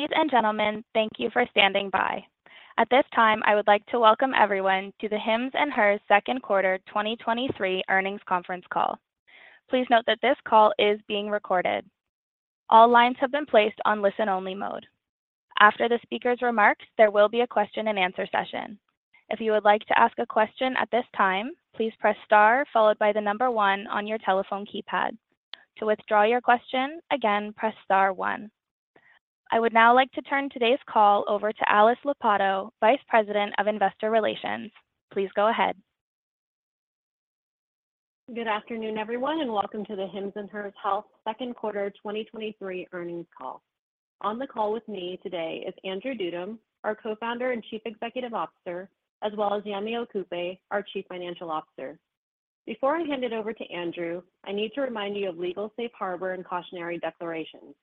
Ladies and gentlemen, thank you for standing by. At this time, I would like to welcome everyone to the Hims & Hers' Second Quarter 2023 Earnings Conference Call. Please note that this call is being recorded. All lines have been placed on listen-only mode. After the speakers' remarks, there will be a question and answer session. If you would like to ask a question at this time, please press star followed by the number 1 on your telephone keypad. To withdraw your question, again, press star 1. I would now like to turn today's call over to Alice Lopatto, Vice President of Investor Relations. Please go ahead. Good afternoon, everyone, and welcome to the Hims & Hers Health second quarter 2023 earnings call. On the call with me today is Andrew Dudum, our Co-Founder and Chief Executive Officer, as well as Yemi Okupe, our Chief Financial Officer. Before I hand it over to Andrew, I need to remind you of legal safe harbor and cautionary declarations.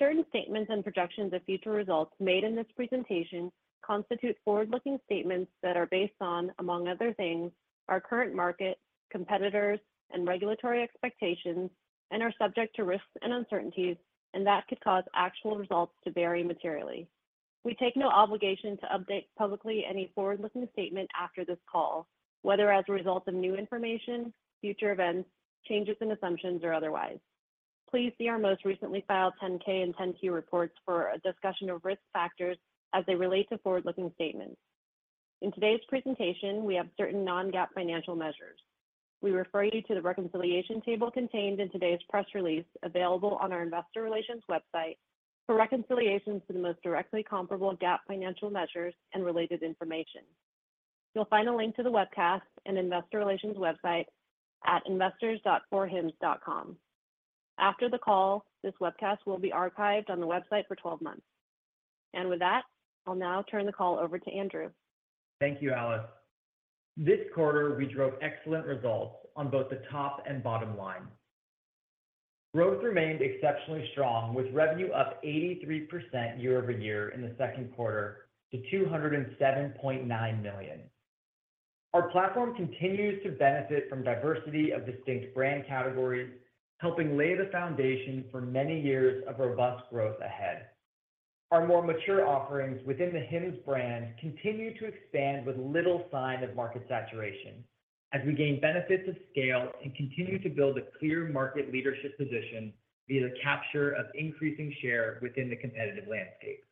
Certain statements and projections of future results made in this presentation constitute forward-looking statements that are based on, among other things, our current market, competitors, and regulatory expectations, and are subject to risks and uncertainties, and that could cause actual results to vary materially. We take no obligation to update publicly any forward-looking statement after this call, whether as a result of new information, future events, changes in assumptions, or otherwise. Please see our most recently filed 10-K and 10-Q reports for a discussion of risk factors as they relate to forward-looking statements. In today's presentation, we have certain non-GAAP financial measures. We refer you to the reconciliation table contained in today's press release, available on our investor relations website for reconciliations to the most directly comparable GAAP financial measures and related information. You'll find a link to the webcast and investor relations website at investors.hims.com. After the call, this webcast will be archived on the website for 12 months. With that, I'll now turn the call over to Andrew. Thank you, Alice. This quarter, we drove excellent results on both the top and bottom line. Growth remained exceptionally strong, with revenue up 83% year-over-year in the 2Q to $207.9 million. Our platform continues to benefit from diversity of distinct brand categories, helping lay the foundation for many years of robust growth ahead. Our more mature offerings within the Hims brand continue to expand with little sign of market saturation as we gain benefits of scale and continue to build a clear market leadership position via the capture of increasing share within the competitive landscape.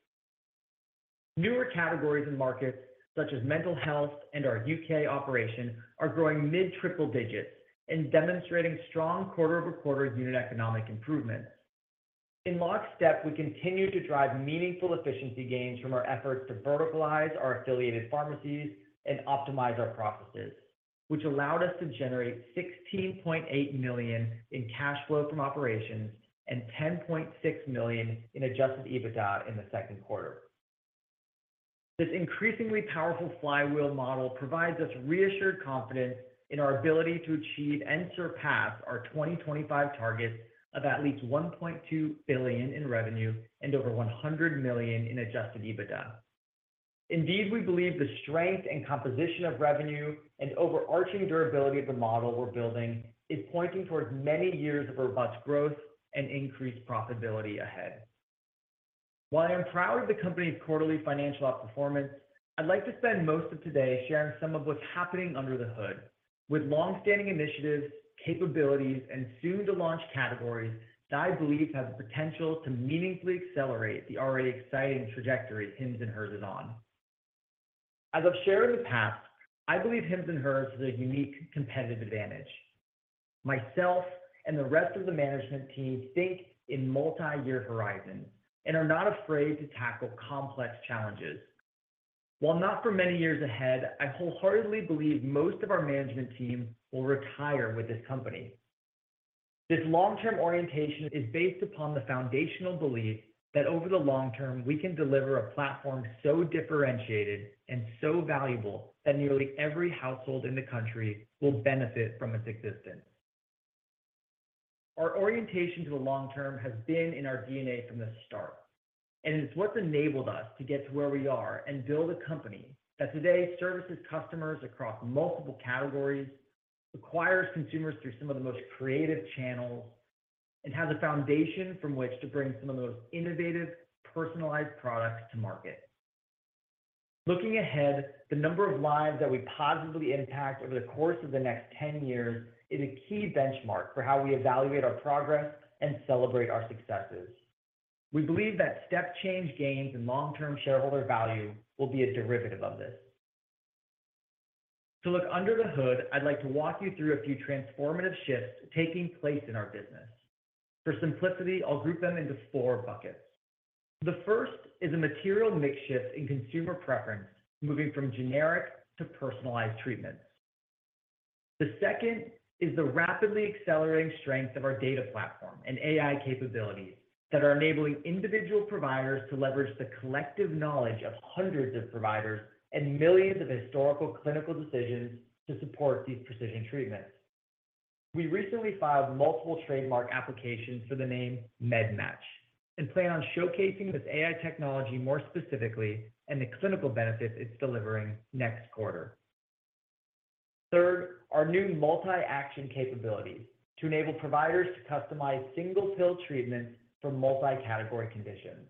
Newer categories and markets, such as mental health and our U.K. operation, are growing mid triple digits and demonstrating strong quarter-over-quarter unit economic improvements. In lockstep, we continue to drive meaningful efficiency gains from our efforts to verticalize our affiliated pharmacies and optimize our processes, which allowed us to generate $16.8 million in cash flow from operations and $10.6 million in adjusted EBITDA in the second quarter. This increasingly powerful flywheel model provides us reassured confidence in our ability to achieve and surpass our 2025 targets of at least $1.2 billion in revenue and over $100 million in adjusted EBITDA. Indeed, we believe the strength and composition of revenue and overarching durability of the model we're building is pointing towards many years of robust growth and increased profitability ahead. While I am proud of the company's quarterly financial outperformance, I'd like to spend most of today sharing some of what's happening under the hood. With long-standing initiatives, capabilities, and soon to launch categories that I believe have the potential to meaningfully accelerate the already exciting trajectory Hims & Hers is on. As I've shared in the past, I believe Hims & Hers has a unique competitive advantage. Myself and the rest of the management team think in multi-year horizons and are not afraid to tackle complex challenges. While not for many years ahead, I wholeheartedly believe most of our management team will retire with this company. This long-term orientation is based upon the foundational belief that over the long term, we can deliver a platform so differentiated and so valuable, that nearly every household in the country will benefit from its existence. Our orientation to the long term has been in our DNA from the start, and it's what's enabled us to get to where we are and build a company that today services customers across multiple categories, acquires consumers through some of the most creative channels, and has a foundation from which to bring some of the most innovative, personalized products to market. Looking ahead, the number of lives that we positively impact over the course of the next 10 years is a key benchmark for how we evaluate our progress and celebrate our successes. We believe that step change gains in long-term shareholder value will be a derivative of this. To look under the hood, I'd like to walk you through a few transformative shifts taking place in our business. For simplicity, I'll group them into four buckets. The first is a material mix shift in consumer preference, moving from generic to personalized treatments. The second is the rapidly accelerating strength of our data platform and AI capabilities that are enabling individual providers to leverage the collective knowledge of hundreds of providers and millions of historical clinical decisions to support these precision treatments. We recently filed multiple trademark applications for the name MedMatch and plan on showcasing this AI technology more specifically and the clinical benefits it's delivering next quarter. Third, our new multi-action capabilities to enable providers to customize single pill treatments for multi-category conditions.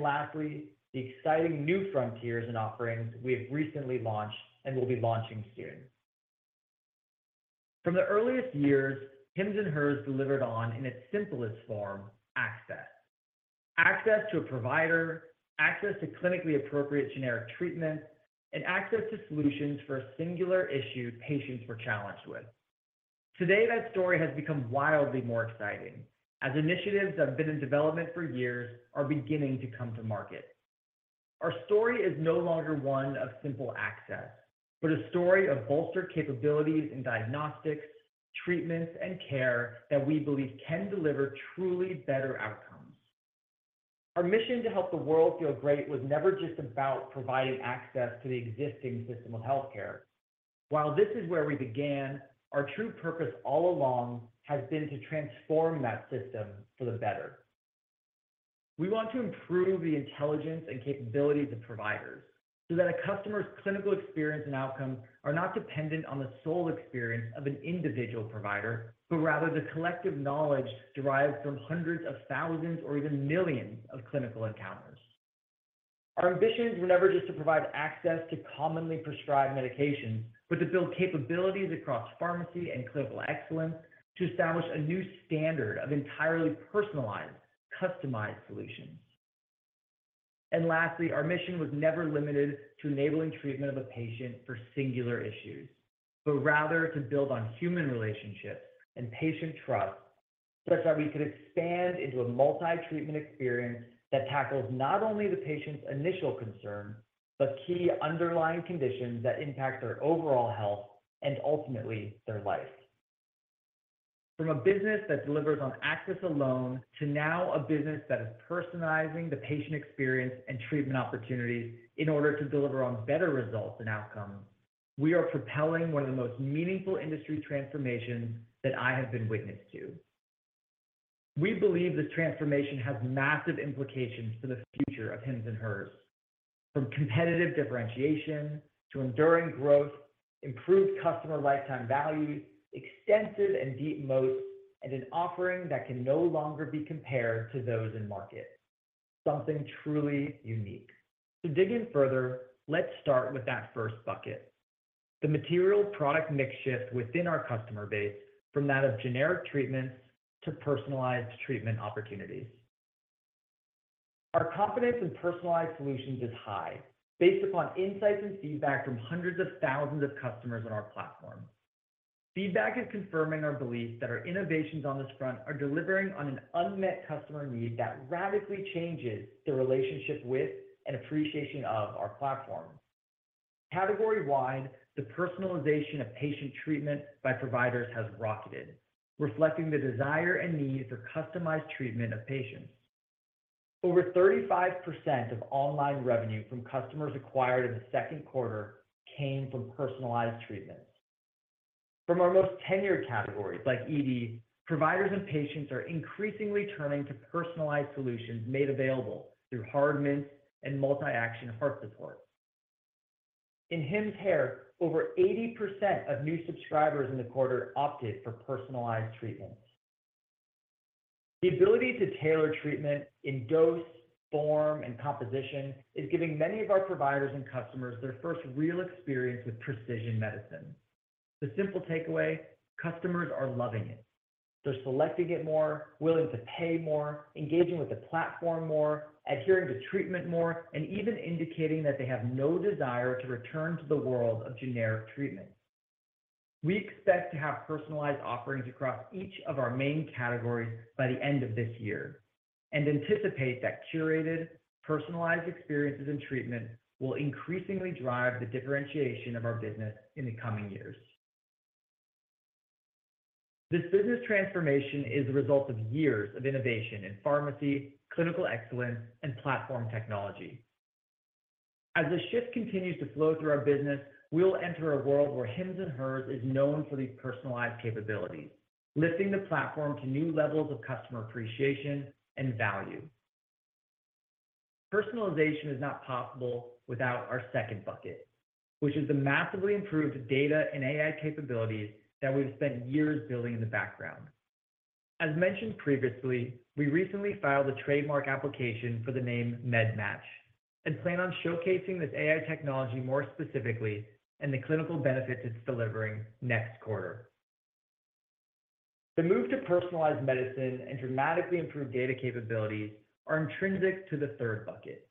Lastly, the exciting new frontiers and offerings we have recently launched and will be launching soon. From the earliest years, Hims & Hers delivered on, in its simplest form, access. Access to a provider, access to clinically appropriate generic treatments, and access to solutions for a singular issue patients were challenged with. Today, that story has become wildly more exciting, as initiatives that have been in development for years are beginning to come to market. Our story is no longer one of simple access, but a story of bolstered capabilities in diagnostics, treatments, and care that we believe can deliver truly better outcomes. Our mission to help the world feel great was never just about providing access to the existing system of healthcare. While this is where we began, our true purpose all along has been to transform that system for the better. We want to improve the intelligence and capabilities of providers, so that a customer's clinical experience and outcomes are not dependent on the sole experience of an individual provider, but rather the collective knowledge derived from hundreds of thousands or even millions of clinical encounters. Our ambitions were never just to provide access to commonly prescribed medications, but to build capabilities across pharmacy and clinical excellence, to establish a new standard of entirely personalized, customized solutions. Lastly, our mission was never limited to enabling treatment of a patient for singular issues, but rather to build on human relationships and patient trust, such that we could expand into a multi-treatment experience that tackles not only the patient's initial concern, but key underlying conditions that impact their overall health and ultimately, their life. From a business that delivers on access alone, to now a business that is personalizing the patient experience and treatment opportunities in order to deliver on better results and outcomes, we are propelling one of the most meaningful industry transformations that I have been witness to. We believe this transformation has massive implications for the future of Hims & Hers, from competitive differentiation to enduring growth, improved customer lifetime value, extensive and deep moats, and an offering that can no longer be compared to those in market. Something truly unique. To dig in further, let's start with that first bucket: the material product mix shift within our customer base from that of generic treatments to personalized treatment opportunities. Our confidence in personalized solutions is high, based upon insights and feedback from hundreds of thousands of customers on our platform. Feedback is confirming our belief that our innovations on this front are delivering on an unmet customer need that radically changes the relationship with and appreciation of our platform. Category-wide, the personalization of patient treatment by providers has rocketed, reflecting the desire and need for customized treatment of patients. Over 35% of online revenue from customers acquired in the second quarter came from personalized treatments. From our most tenured categories, like ED, providers and patients are increasingly turning to personalized solutions made available through Hard Mints and multi-action heart support. In Hims hair, over 80% of new subscribers in the quarter opted for personalized treatments. The ability to tailor treatment in dose, form, and composition is giving many of our providers and customers their first real experience with precision medicine. The simple takeaway, customers are loving it. They're selecting it more, willing to pay more, engaging with the platform more, adhering to treatment more, and even indicating that they have no desire to return to the world of generic treatments. We expect to have personalized offerings across each of our main categories by the end of this year. Anticipate that curated, personalized experiences and treatment will increasingly drive the differentiation of our business in the coming years. This business transformation is the result of years of innovation in pharmacy, clinical excellence, and platform technology. As the shift continues to flow through our business, we'll enter a world where Hims & Hers is known for these personalized capabilities, lifting the platform to new levels of customer appreciation and value. Personalization is not possible without our second bucket, which is the massively improved data and AI capabilities that we've spent years building in the background. As mentioned previously, we recently filed a trademark application for the name MedMatch, and plan on showcasing this AI technology more specifically and the clinical benefits it's delivering next quarter. The move to personalized medicine and dramatically improved data capabilities are intrinsic to the third bucket,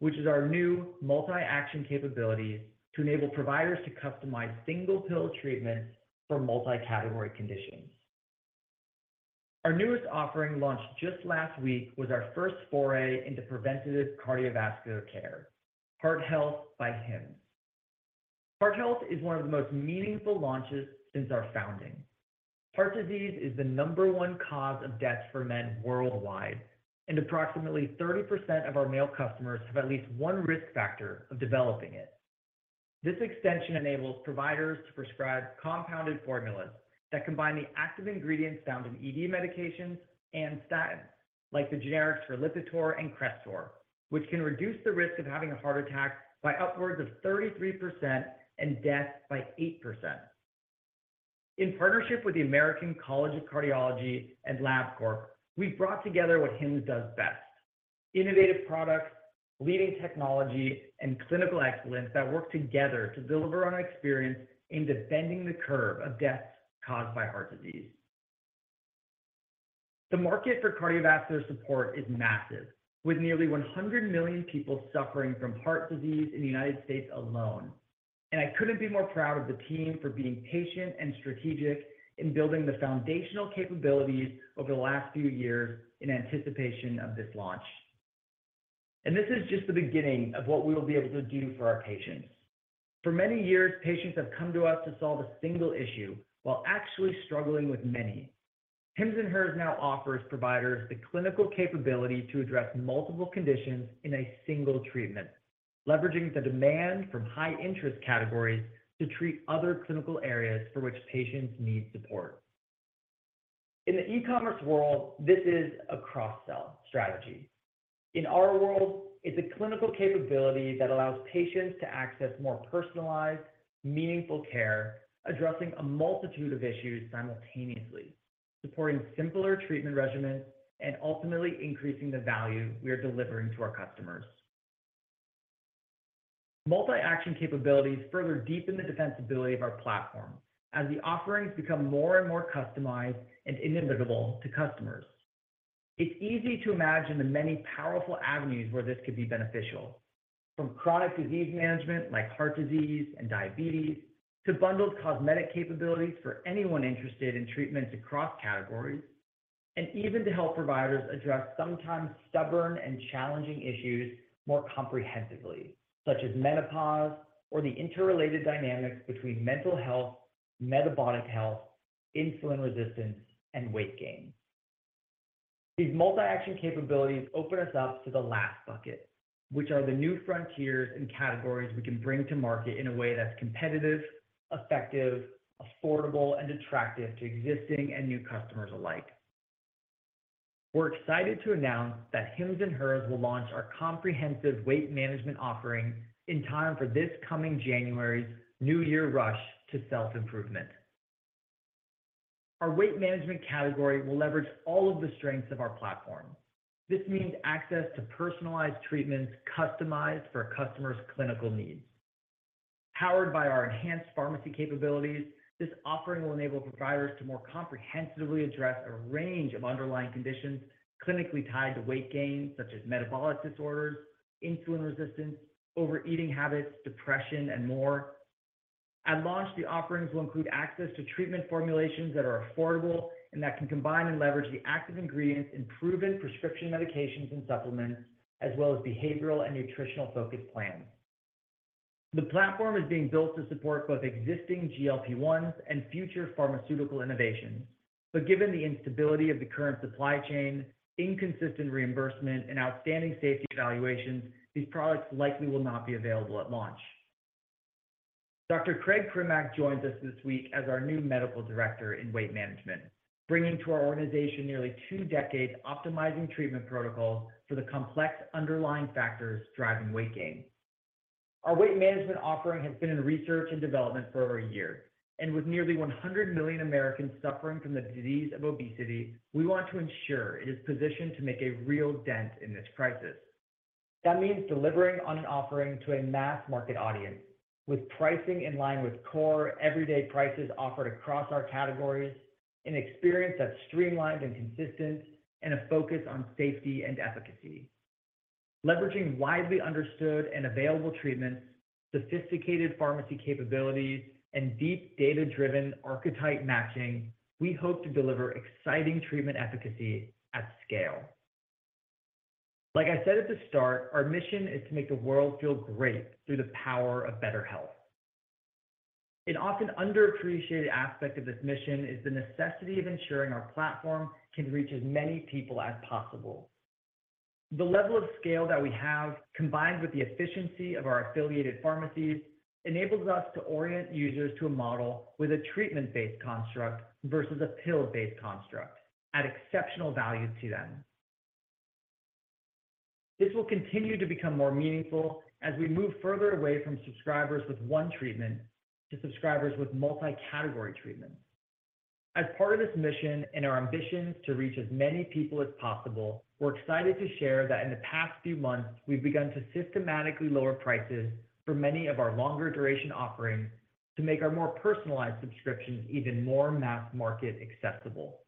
which is our new multi-action capabilities to enable providers to customize single pill treatments for multi-category conditions. Our newest offering, launched just last week, was our first foray into preventative cardiovascular care, Heart Health by Hims. Heart Health is one of the most meaningful launches since our founding. Heart disease is the number one cause of deaths for men worldwide, and approximately 30% of our male customers have at least one risk factor of developing it. This extension enables providers to prescribe compounded formulas that combine the active ingredients found in ED medications and statins, like the generics for Lipitor and Crestor, which can reduce the risk of having a heart attack by upwards of 33% and death by 8%. In partnership with the American College of Cardiology and Labcorp, we've brought together what Hims does best: innovative products, leading technology, and clinical excellence that work together to deliver on our experience in bending the curve of deaths caused by heart disease. The market for cardiovascular support is massive, with nearly 100 million people suffering from heart disease in the United States alone, and I couldn't be more proud of the team for being patient and strategic in building the foundational capabilities over the last few years in anticipation of this launch. This is just the beginning of what we will be able to do for our patients. For many years, patients have come to us to solve a single issue while actually struggling with many. Hims & Hers now offers providers the clinical capability to address multiple conditions in a single treatment, leveraging the demand from high-interest categories to treat other clinical areas for which patients need support. In the e-commerce world, this is a cross-sell strategy. In our world, it's a clinical capability that allows patients to access more personalized, meaningful care, addressing a multitude of issues simultaneously, supporting simpler treatment regimens, and ultimately increasing the value we are delivering to our customers. Multi-action capabilities further deepen the defensibility of our platform as the offerings become more and more customized and inimitable to customers. It's easy to imagine the many powerful avenues where this could be beneficial, from chronic disease management, like heart disease and diabetes, to bundled cosmetic capabilities for anyone interested in treatments across categories, and even to help providers address sometimes stubborn and challenging issues more comprehensively, such as menopause or the interrelated dynamics between mental health, metabolic health, insulin resistance, and weight gain. These multi-action capabilities open us up to the last bucket, which are the new frontiers and categories we can bring to market in a way that's competitive, effective, affordable, and attractive to existing and new customers alike. We're excited to announce that Hims & Hers will launch our comprehensive weight management offering in time for this coming January's New Year rush to self-improvement. Our weight management category will leverage all of the strengths of our platform. This means access to personalized treatments customized for a customer's clinical needs. Powered by our enhanced pharmacy capabilities, this offering will enable providers to more comprehensively address a range of underlying conditions clinically tied to weight gain, such as metabolic disorders, insulin resistance, overeating habits, depression, and more. At launch, the offerings will include access to treatment formulations that are affordable and that can combine and leverage the active ingredients in proven prescription medications and supplements, as well as behavioral and nutritional-focused plans. The platform is being built to support both existing GLP-1s and future pharmaceutical innovations, given the instability of the current supply chain, inconsistent reimbursement, and outstanding safety evaluations, these products likely will not be available at launch. Craig Primack joins us this week as our new medical director in Weight Management, bringing to our organization nearly two decades optimizing treatment protocols for the complex underlying factors driving weight gain. Our Weight Management offering has been in research and development for over a year, and with nearly 100 million Americans suffering from the disease of obesity, we want to ensure it is positioned to make a real dent in this crisis. That means delivering on an offering to a mass-market audience with pricing in line with core everyday prices offered across our categories, an experience that's streamlined and consistent, and a focus on safety and efficacy. Leveraging widely understood and available treatments, sophisticated pharmacy capabilities, and deep data-driven archetype matching, we hope to deliver exciting treatment efficacy at scale. Like I said at the start, our mission is to make the world feel great through the power of better health. An often underappreciated aspect of this mission is the necessity of ensuring our platform can reach as many people as possible. The level of scale that we have, combined with the efficiency of our affiliated pharmacies, enables us to orient users to a model with a treatment-based construct versus a pill-based construct, add exceptional value to them. This will continue to become more meaningful as we move further away from subscribers with one treatment to subscribers with multi-category treatments. As part of this mission and our ambitions to reach as many people as possible, we're excited to share that in the past few months, we've begun to systematically lower prices for many of our longer-duration offerings to make our more personalized subscriptions even more mass-market accessible.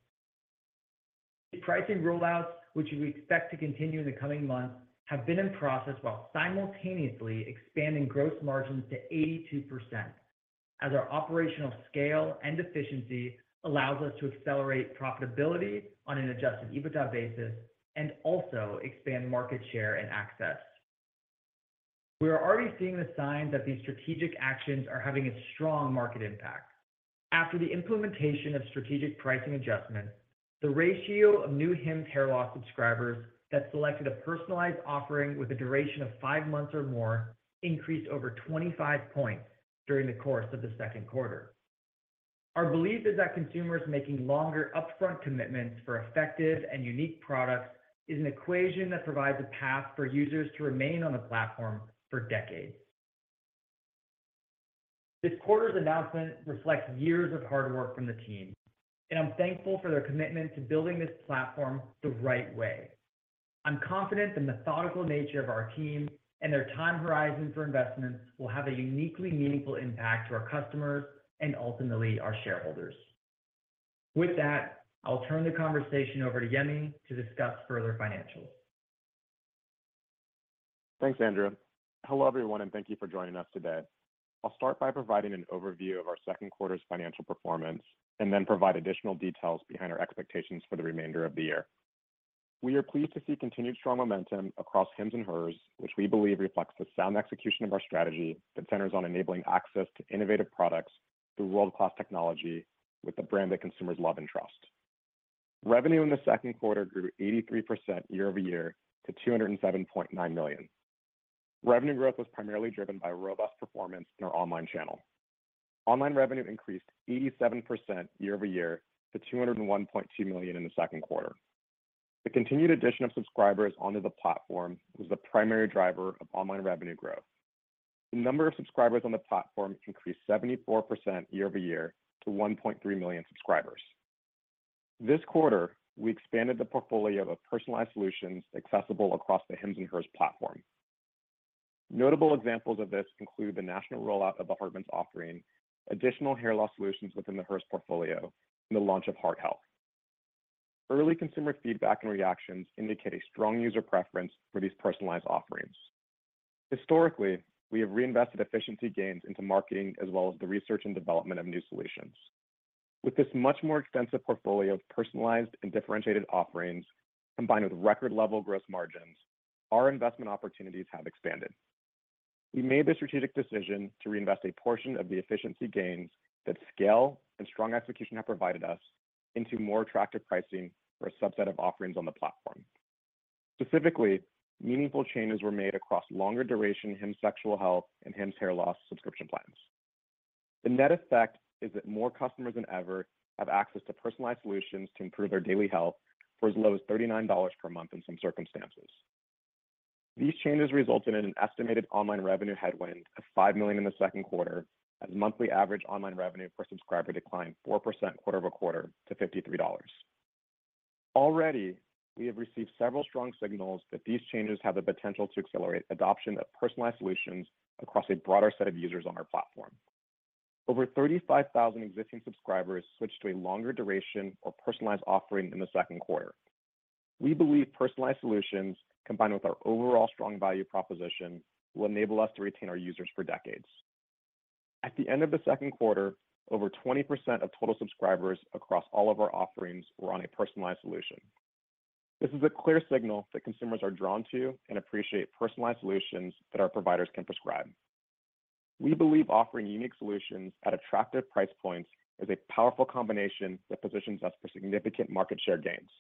The pricing rollouts, which we expect to continue in the coming months, have been in process while simultaneously expanding gross margins to 82%, as our operational scale and efficiency allows us to accelerate profitability on an adjusted EBITDA basis and also expand market share and access. We are already seeing the signs that these strategic actions are having a strong market impact. After the implementation of strategic pricing adjustments, the ratio of new Hims Hair Loss subscribers that selected a personalized offering with a duration of five months or more increased over 25 points during the course of the second quarter. Our belief is that consumers making longer upfront commitments for effective and unique products is an equation that provides a path for users to remain on the platform for decades. This quarter's announcement reflects years of hard work from the team, and I'm thankful for their commitment to building this platform the right way. I'm confident the methodical nature of our team and their time horizon for investments will have a uniquely meaningful impact to our customers and ultimately, our shareholders. With that, I'll turn the conversation over to Yemi to discuss further financials. Thanks, Andrew. Hello, everyone, and thank you for joining us today. I'll start by providing an overview of our second quarter's financial performance, and then provide additional details behind our expectations for the remainder of the year. We are pleased to see continued strong momentum across Hims & Hers, which we believe reflects the sound execution of our strategy that centers on enabling access to innovative products through world-class technology, with a brand that consumers love and trust. Revenue in the second quarter grew 83% year-over-year to $207.9 million. Revenue growth was primarily driven by robust performance in our online channel. Online revenue increased 87% year-over-year to $201.2 million in the second quarter. The continued addition of subscribers onto the platform was the primary driver of online revenue growth. The number of subscribers on the platform increased 74% year-over-year to 1.3 million subscribers. This quarter, we expanded the portfolio of personalized solutions accessible across the Hims & Hers platform. Notable examples of this include the national rollout of the Hard Mints offering, additional hair loss solutions within the Hers portfolio, and the launch of Heart Health. Early consumer feedback and reactions indicate a strong user preference for these personalized offerings. Historically, we have reinvested efficiency gains into marketing, as well as the research and development of new solutions. With this much more extensive portfolio of personalized and differentiated offerings, combined with record-level gross margins, our investment opportunities have expanded. We made the strategic decision to reinvest a portion of the efficiency gains that scale and strong execution have provided us into more attractive pricing for a subset of offerings on the platform. Specifically, meaningful changes were made across longer duration, Hims Sexual Health and Hims Hair Loss subscription plans. The net effect is that more customers than ever have access to personalized solutions to improve their daily health for as low as $39 per month in some circumstances. These changes resulted in an estimated online revenue headwind of $5 million in the second quarter, as monthly average online revenue per subscriber declined 4% quarter-over-quarter to $53. Already, we have received several strong signals that these changes have the potential to accelerate adoption of personalized solutions across a broader set of users on our platform. Over 35,000 existing subscribers switched to a longer duration or personalized offering in the second quarter. We believe personalized solutions, combined with our overall strong value proposition, will enable us to retain our users for decades. At the end of the second quarter, over 20% of total subscribers across all of our offerings were on a personalized solution. This is a clear signal that consumers are drawn to and appreciate personalized solutions that our providers can prescribe. We believe offering unique solutions at attractive price points is a powerful combination that positions us for significant market share gains.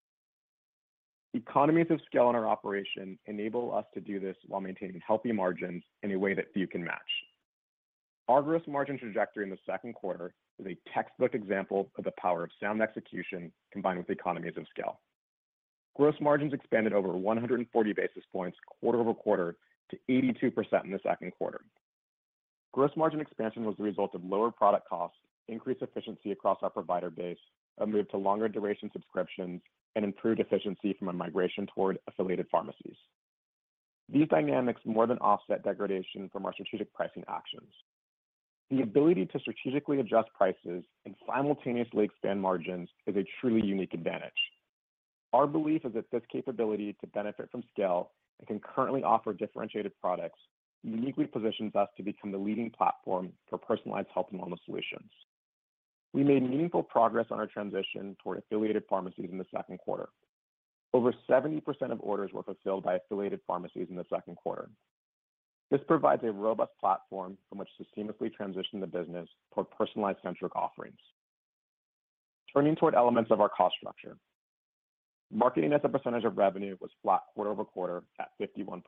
Economies of scale in our operation enable us to do this while maintaining healthy margins in a way that few can match. Our gross margin trajectory in the second quarter is a textbook example of the power of sound execution combined with economies of scale. Gross margins expanded over 140 basis points quarter-over-quarter to 82% in the second quarter. Gross margin expansion was the result of lower product costs, increased efficiency across our provider base, a move to longer duration subscriptions, and improved efficiency from a migration toward affiliated pharmacies. These dynamics more than offset degradation from our strategic pricing actions. The ability to strategically adjust prices and simultaneously expand margins is a truly unique advantage. Our belief is that this capability to benefit from scale and concurrently offer differentiated products, uniquely positions us to become the leading platform for personalized health and wellness solutions. We made meaningful progress on our transition toward affiliated pharmacies in the second quarter. Over 70% of orders were fulfilled by affiliated pharmacies in the second quarter. This provides a robust platform from which to systemically transition the business toward personalized-centric offerings. Turning toward elements of our cost structure. Marketing as a percentage of revenue, was flat quarter-over-quarter at 51%.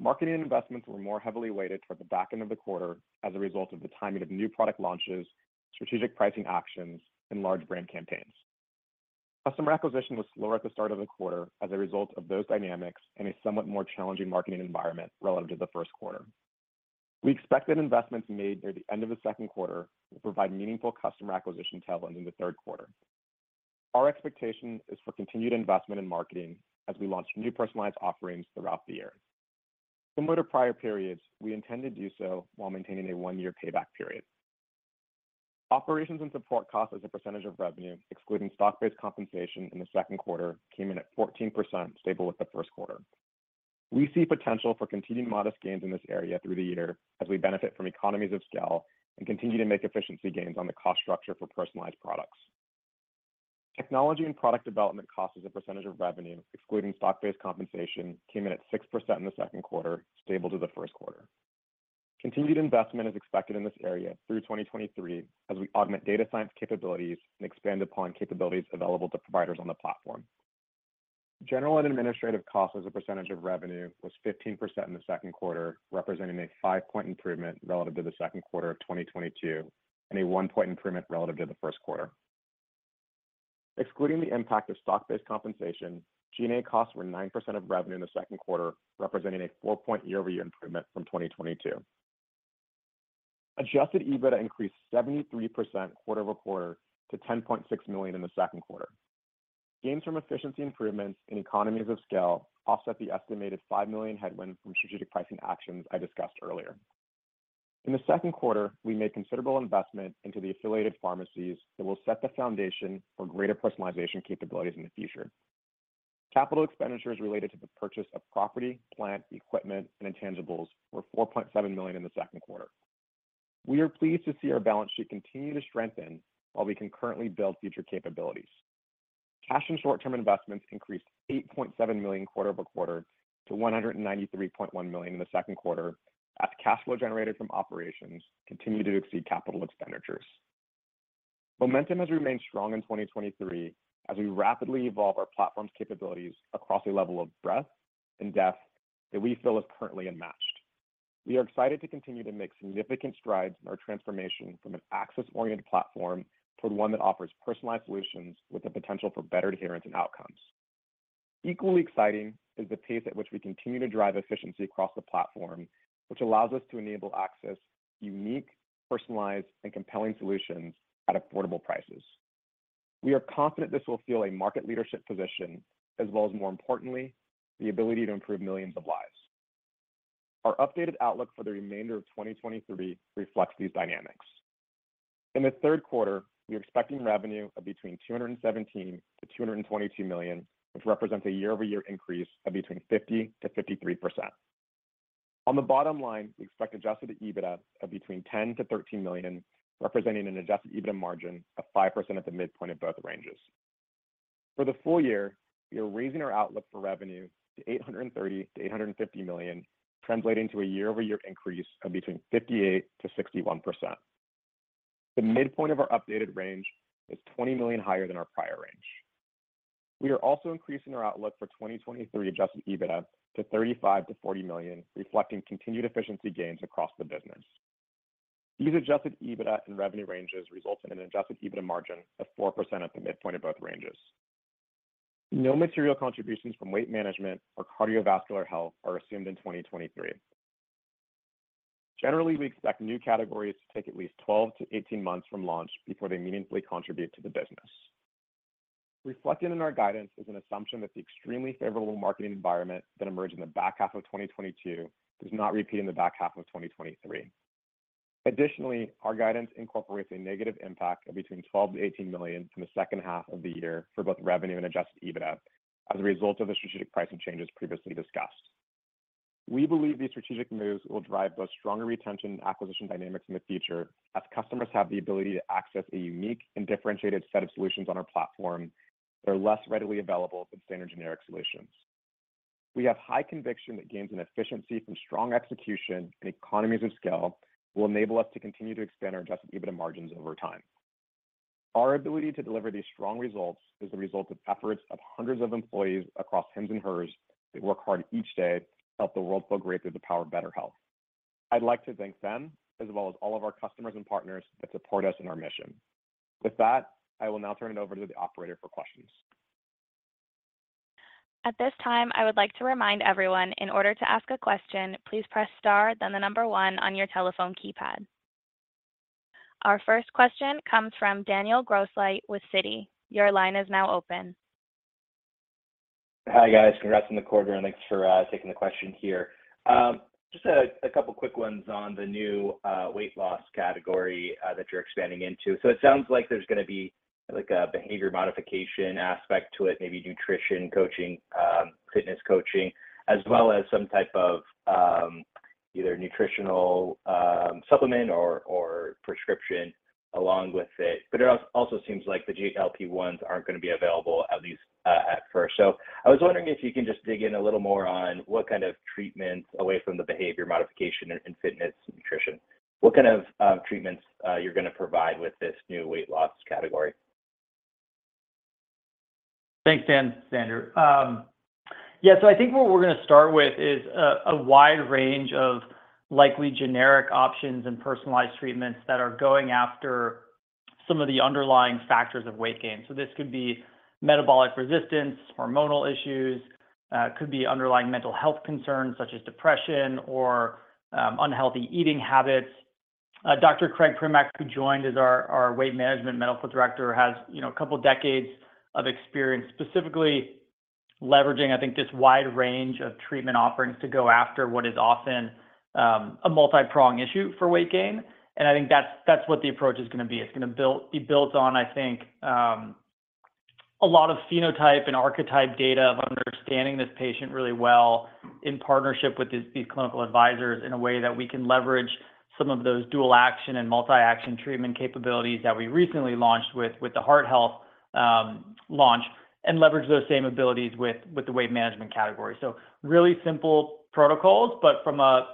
Marketing investments were more heavily weighted toward the back end of the quarter as a result of the timing of new product launches, strategic pricing actions, and large brand campaigns. Customer acquisition was slower at the start of the quarter as a result of those dynamics, and a somewhat more challenging marketing environment relative to the first quarter. We expect that investments made near the end of the second quarter will provide meaningful customer acquisition tailwind in the third quarter. Our expectation is for continued investment in marketing as we launch new personalized offerings throughout the year. Similar to prior periods, we intend to do so while maintaining a one-year payback period. Operations and support costs as a percentage of revenue, excluding stock-based compensation in the second quarter, came in at 14%, stable with the first quarter. We see potential for continued modest gains in this area through the year as we benefit from economies of scale and continue to make efficiency gains on the cost structure for personalized products. Technology and product development costs as a percentage of revenue, excluding stock-based compensation, came in at 6% in the second quarter, stable to the first quarter. Continued investment is expected in this area through 2023, as we augment data science capabilities and expand upon capabilities available to providers on the platform. General and administrative costs as a percentage of revenue, was 15% in the second quarter, representing a 5-point improvement relative to the second quarter of 2022, and a 1-point improvement relative to the first quarter. Excluding the impact of stock-based compensation, G&A costs were 9% of revenue in the second quarter, representing a 4-point year-over-year improvement from 2022. Adjusted EBITDA increased 73% quarter-over-quarter to $10.6 million in the second quarter. Gains from efficiency improvements in economies of scale offset the estimated $5 million headwind from strategic pricing actions I discussed earlier. In the second quarter, we made considerable investment into the affiliated pharmacies that will set the foundation for greater personalization capabilities in the future. Capital expenditures related to the purchase of property, plant, equipment, and intangibles were $4.7 million in the second quarter. We are pleased to see our balance sheet continue to strengthen while we can currently build future capabilities. Cash and short-term investments increased $8.7 million quarter-over-quarter to $193.1 million in the second quarter, as cash flow generated from operations continued to exceed capital expenditures. Momentum has remained strong in 2023 as we rapidly evolve our platform's capabilities across a level of breadth and depth that we feel is currently unmatched. We are excited to continue to make significant strides in our transformation from an access-oriented platform to one that offers personalized solutions with the potential for better adherence and outcomes. Equally exciting is the pace at which we continue to drive efficiency across the platform, which allows us to enable access, unique, personalized, and compelling solutions at affordable prices. We are confident this will fill a market leadership position, as well as, more importantly, the ability to improve millions of lives. Our updated outlook for the remainder of 2023 reflects these dynamics. In the third quarter, we are expecting revenue of between $217 million-$222 million, which represents a year-over-year increase of between 50%-53%. On the bottom line, we expect adjusted EBITDA of between $10 million-$13 million, representing an adjusted EBITDA margin of 5% at the midpoint of both ranges. For the full year, we are raising our outlook for revenue to $830 million-$850 million, translating to a year-over-year increase of between 58%-61%. The midpoint of our updated range is $20 million higher than our prior range. We are also increasing our outlook for 2023 adjusted EBITDA to $35 million-$40 million, reflecting continued efficiency gains across the business. These adjusted EBITDA and revenue ranges result in an adjusted EBITDA margin of 4% at the midpoint of both ranges. No material contributions from weight management or cardiovascular health are assumed in 2023. Generally, we expect new categories to take at least 12 to 18 months from launch before they meaningfully contribute to the business. Reflected in our guidance is an assumption that the extremely favorable marketing environment that emerged in the back half of 2022 does not repeat in the back half of 2023. Additionally, our guidance incorporates a negative impact of between $12 million-$18 million from the second half of the year for both revenue and adjusted EBITDA as a result of the strategic pricing changes previously discussed. We believe these strategic moves will drive both stronger retention and acquisition dynamics in the future, as customers have the ability to access a unique and differentiated set of solutions on our platform that are less readily available than standard generic solutions. We have high conviction that gains in efficiency from strong execution and economies of scale will enable us to continue to extend our adjusted EBITDA margins over time. Our ability to deliver these strong results is the result of efforts of hundreds of employees across Hims & Hers that work hard each day to help the world feel great through the power of better health. I'd like to thank them, as well as all of our customers and partners that support us in our mission. I will now turn it over to the operator for questions. At this time, I would like to remind everyone, in order to ask a question, please press star, then the number one on your telephone keypad. Our first question comes from Daniel Grosslight with Citi. Your line is now open. Hi, guys. Congrats on the quarter. Thanks for taking the question here. Just a couple quick ones on the new weight loss category that you're expanding into. It sounds like there's gonna be, like, a behavior modification aspect to it, maybe nutrition coaching, fitness coaching, as well as some type of either nutritional supplement or prescription along with it. It also seems like the GLP-1s aren't gonna be available, at least, at first. I was wondering if you can just dig in a little more on what kind of treatments away from the behavior modification and fitness and nutrition, what kind of treatments you're gonna provide with this new weight loss category? Thanks, Daniel. Yeah, so I think what we're gonna start with is a wide range of likely generic options and personalized treatments that are going after some of the underlying factors of weight gain. This could be metabolic resistance, hormonal issues, could be underlying mental health concerns such as depression or unhealthy eating habits. Dr. Craig Primack, who joined as our Weight Management Medical Director, has, you know, two decades of experience, specifically leveraging, I think, this wide range of treatment offerings to go after what is often a multipronged issue for weight gain. I think that's what the approach is gonna be. It's gonna be built on, I think, a lot of phenotype and archetype data of understanding this patient really well in partnership with these, these clinical advisors, in a way that we can leverage some of those dual action and multi-action treatment capabilities that we recently launched with, with the Heart Health launch, and leverage those same abilities with, with the Weight Management category. Really simple protocols, but from a,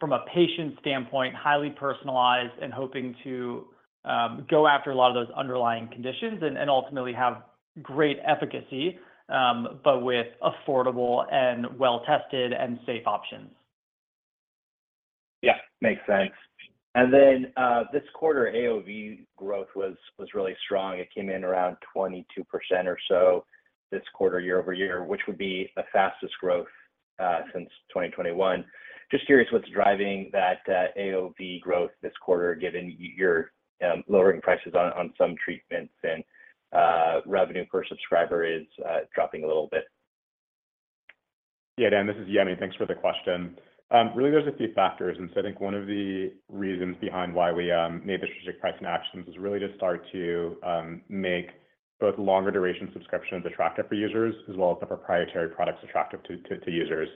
from a patient standpoint, highly personalized and hoping to go after a lot of those underlying conditions and, and ultimately have great efficacy, but with affordable and well-tested and safe options. Yeah, makes sense. Then, this quarter, AOV growth was, was really strong. It came in around 22% or so this quarter, year-over-year, which would be the fastest growth since 2021. Just curious, what's driving that AOV growth this quarter, given you're lowering prices on, on some treatments and revenue per subscriber is dropping a little bit? Yeah, Dan, this is Yemi. Thanks for the question. Really, there's a few factors. I think one of the reasons behind why we made the strategic pricing actions is really to start to make both longer duration subscriptions attractive for users, as well as the proprietary products attractive to users.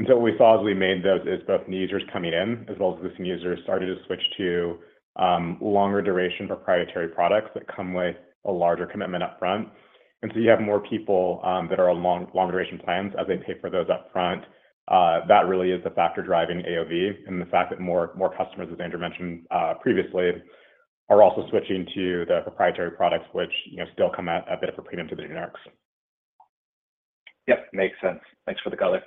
What we saw as we made those is both new users coming in, as well as existing users started to switch to longer duration proprietary products that come with a larger commitment upfront. You have more people that are on long duration plans as they pay for those upfront. That really is the factor driving AOV, and the fact that more, more customers, as Andrew mentioned, previously, are also switching to the proprietary products, which, you know, still come at a bit of a premium to the generics. Yep, makes sense. Thanks for the color.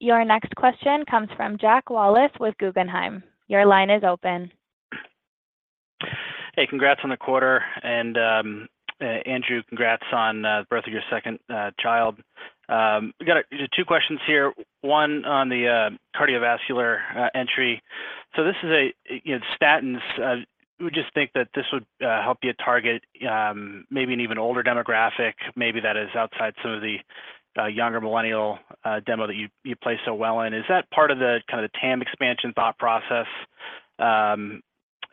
Your next question comes from Jack Wallace with Guggenheim. Your line is open. Hey, congrats on the quarter, and Andrew, congrats on the birth of your second child. We got two questions here, one on the cardiovascular entry. So this is a, you know, statins. We just think that this would help you target maybe an even older demographic, maybe that is outside some of the younger millennial demo that you, you play so well in. Is that part of the kind of the TAM expansion thought process? Then,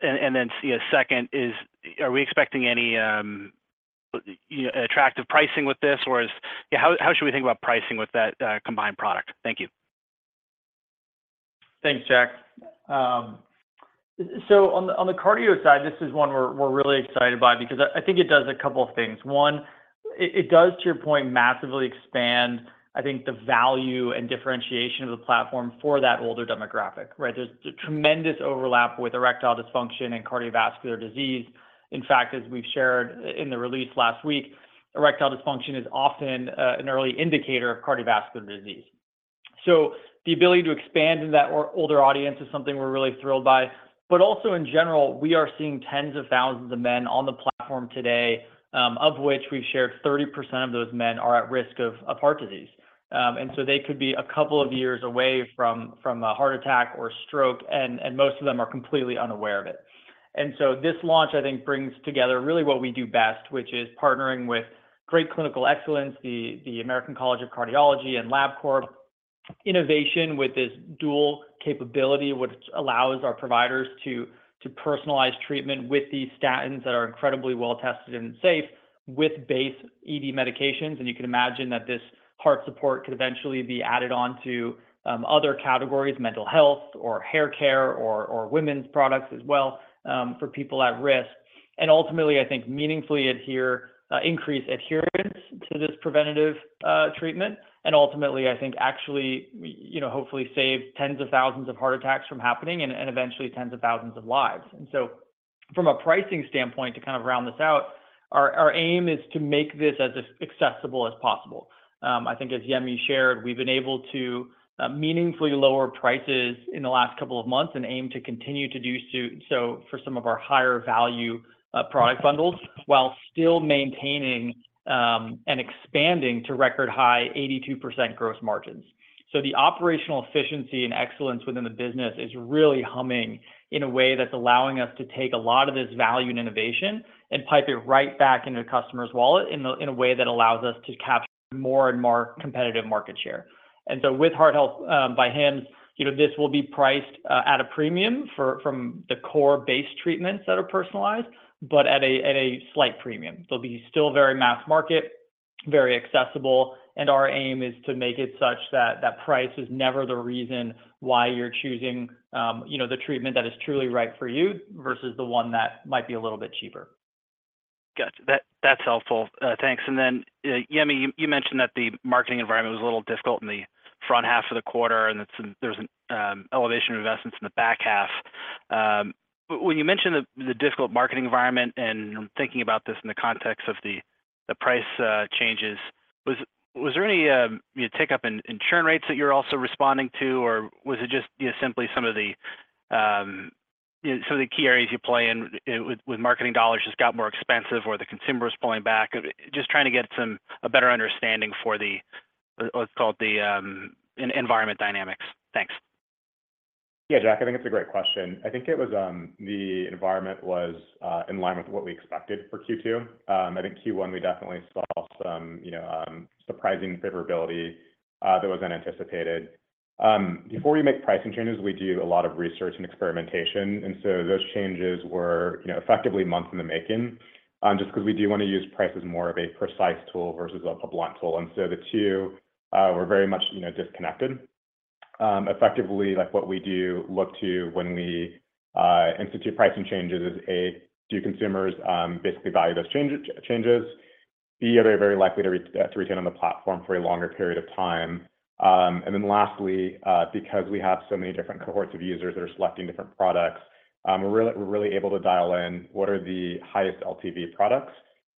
a second is, are we expecting any, you know, attractive pricing with this? How, how should we think about pricing with that combined product? Thank you. Thanks, Jack. So on the cardio side, this is one we're, we're really excited by because I, I think it does a couple of things. One, it does, to your point, massively expand, I think, the value and differentiation of the platform for that older demographic, right? There's a tremendous overlap with erectile dysfunction and cardiovascular disease. In fact, as we've shared in the release last week, erectile dysfunction is often an early indicator of cardiovascular disease. The ability to expand in that or older audience is something we're really thrilled by. Also in general, we are seeing tens of thousands of men on the platform today, of which we've shared 30% of those men are at risk of heart disease. They could be a couple of years away from a heart attack or stroke, and most of them are completely unaware of it. This launch, I think, brings together really what we do best, which is partnering with great clinical excellence, the American College of Cardiology and Labcorp. Innovation with this dual capability, which allows our providers to personalize treatment with these statins that are incredibly well-tested and safe with base ED medications. You can imagine that this heart support could eventually be added on to other categories, mental health or hair care or women's products as well, for people at risk. Ultimately, I think meaningfully adhere, increase adherence to this preventative, treatment, and ultimately, I think actually, you know, hopefully, save tens of thousands of heart attacks from happening and, and eventually tens of thousands of lives. So from a pricing standpoint, to kind of round this out, our aim is to make this as accessible as possible. I think as Yemi shared, we've been able to, meaningfully lower prices in the last couple of months and aim to continue to do, so for some of our higher value, product bundles, while still maintaining, and expanding to record high 82% gross margins. The operational efficiency and excellence within the business is really humming in a way that's allowing us to take a lot of this value and innovation and pipe it right back into the customer's wallet in a, in a way that allows us to capture more and more competitive market share. With Heart Health by Hims, you know, this will be priced at a premium from the core base treatments that are personalized, but at a slight premium. They'll be still very mass market, very accessible, and our aim is to make it such that that price is never the reason why you're choosing, you know, the treatment that is truly right for you versus the one that might be a little bit cheaper. Got you. That, that's helpful. Thanks. Yemi, you, you mentioned that the marketing environment was a little difficult in the front half of the quarter, and it's, there's an elevation of investments in the back half. When you mention the, the difficult marketing environment and thinking about this in the context of the price changes, was, was there any, you know, tick up in, in churn rates that you're also responding to, or was it just, you know, simply some of the, you know, some of the key areas you play in with, with marketing dollars just got more expensive or the consumer is pulling back? Just trying to get some, a better understanding for the, let's call it the environment dynamics. Thanks. Yeah, Jack, I think it's a great question. I think it was. The environment was in line with what we expected for Q2. I think Q1, we definitely saw some, you know, surprising favorability that was unanticipated. Before we make pricing changes, we do a lot of research and experimentation, those changes were, you know, effectively months in the making, just 'cause we do want to use prices more of a precise tool versus a blunt tool. The two were very much, you know, disconnected. Effectively, like, what we do look to when we institute pricing changes is, A, do consumers basically value those changes? B, are they very likely to retain on the platform for a longer period of time? Then lastly, because we have so many different cohorts of users that are selecting different products, we're really, we're really able to dial in what are the highest LTV products.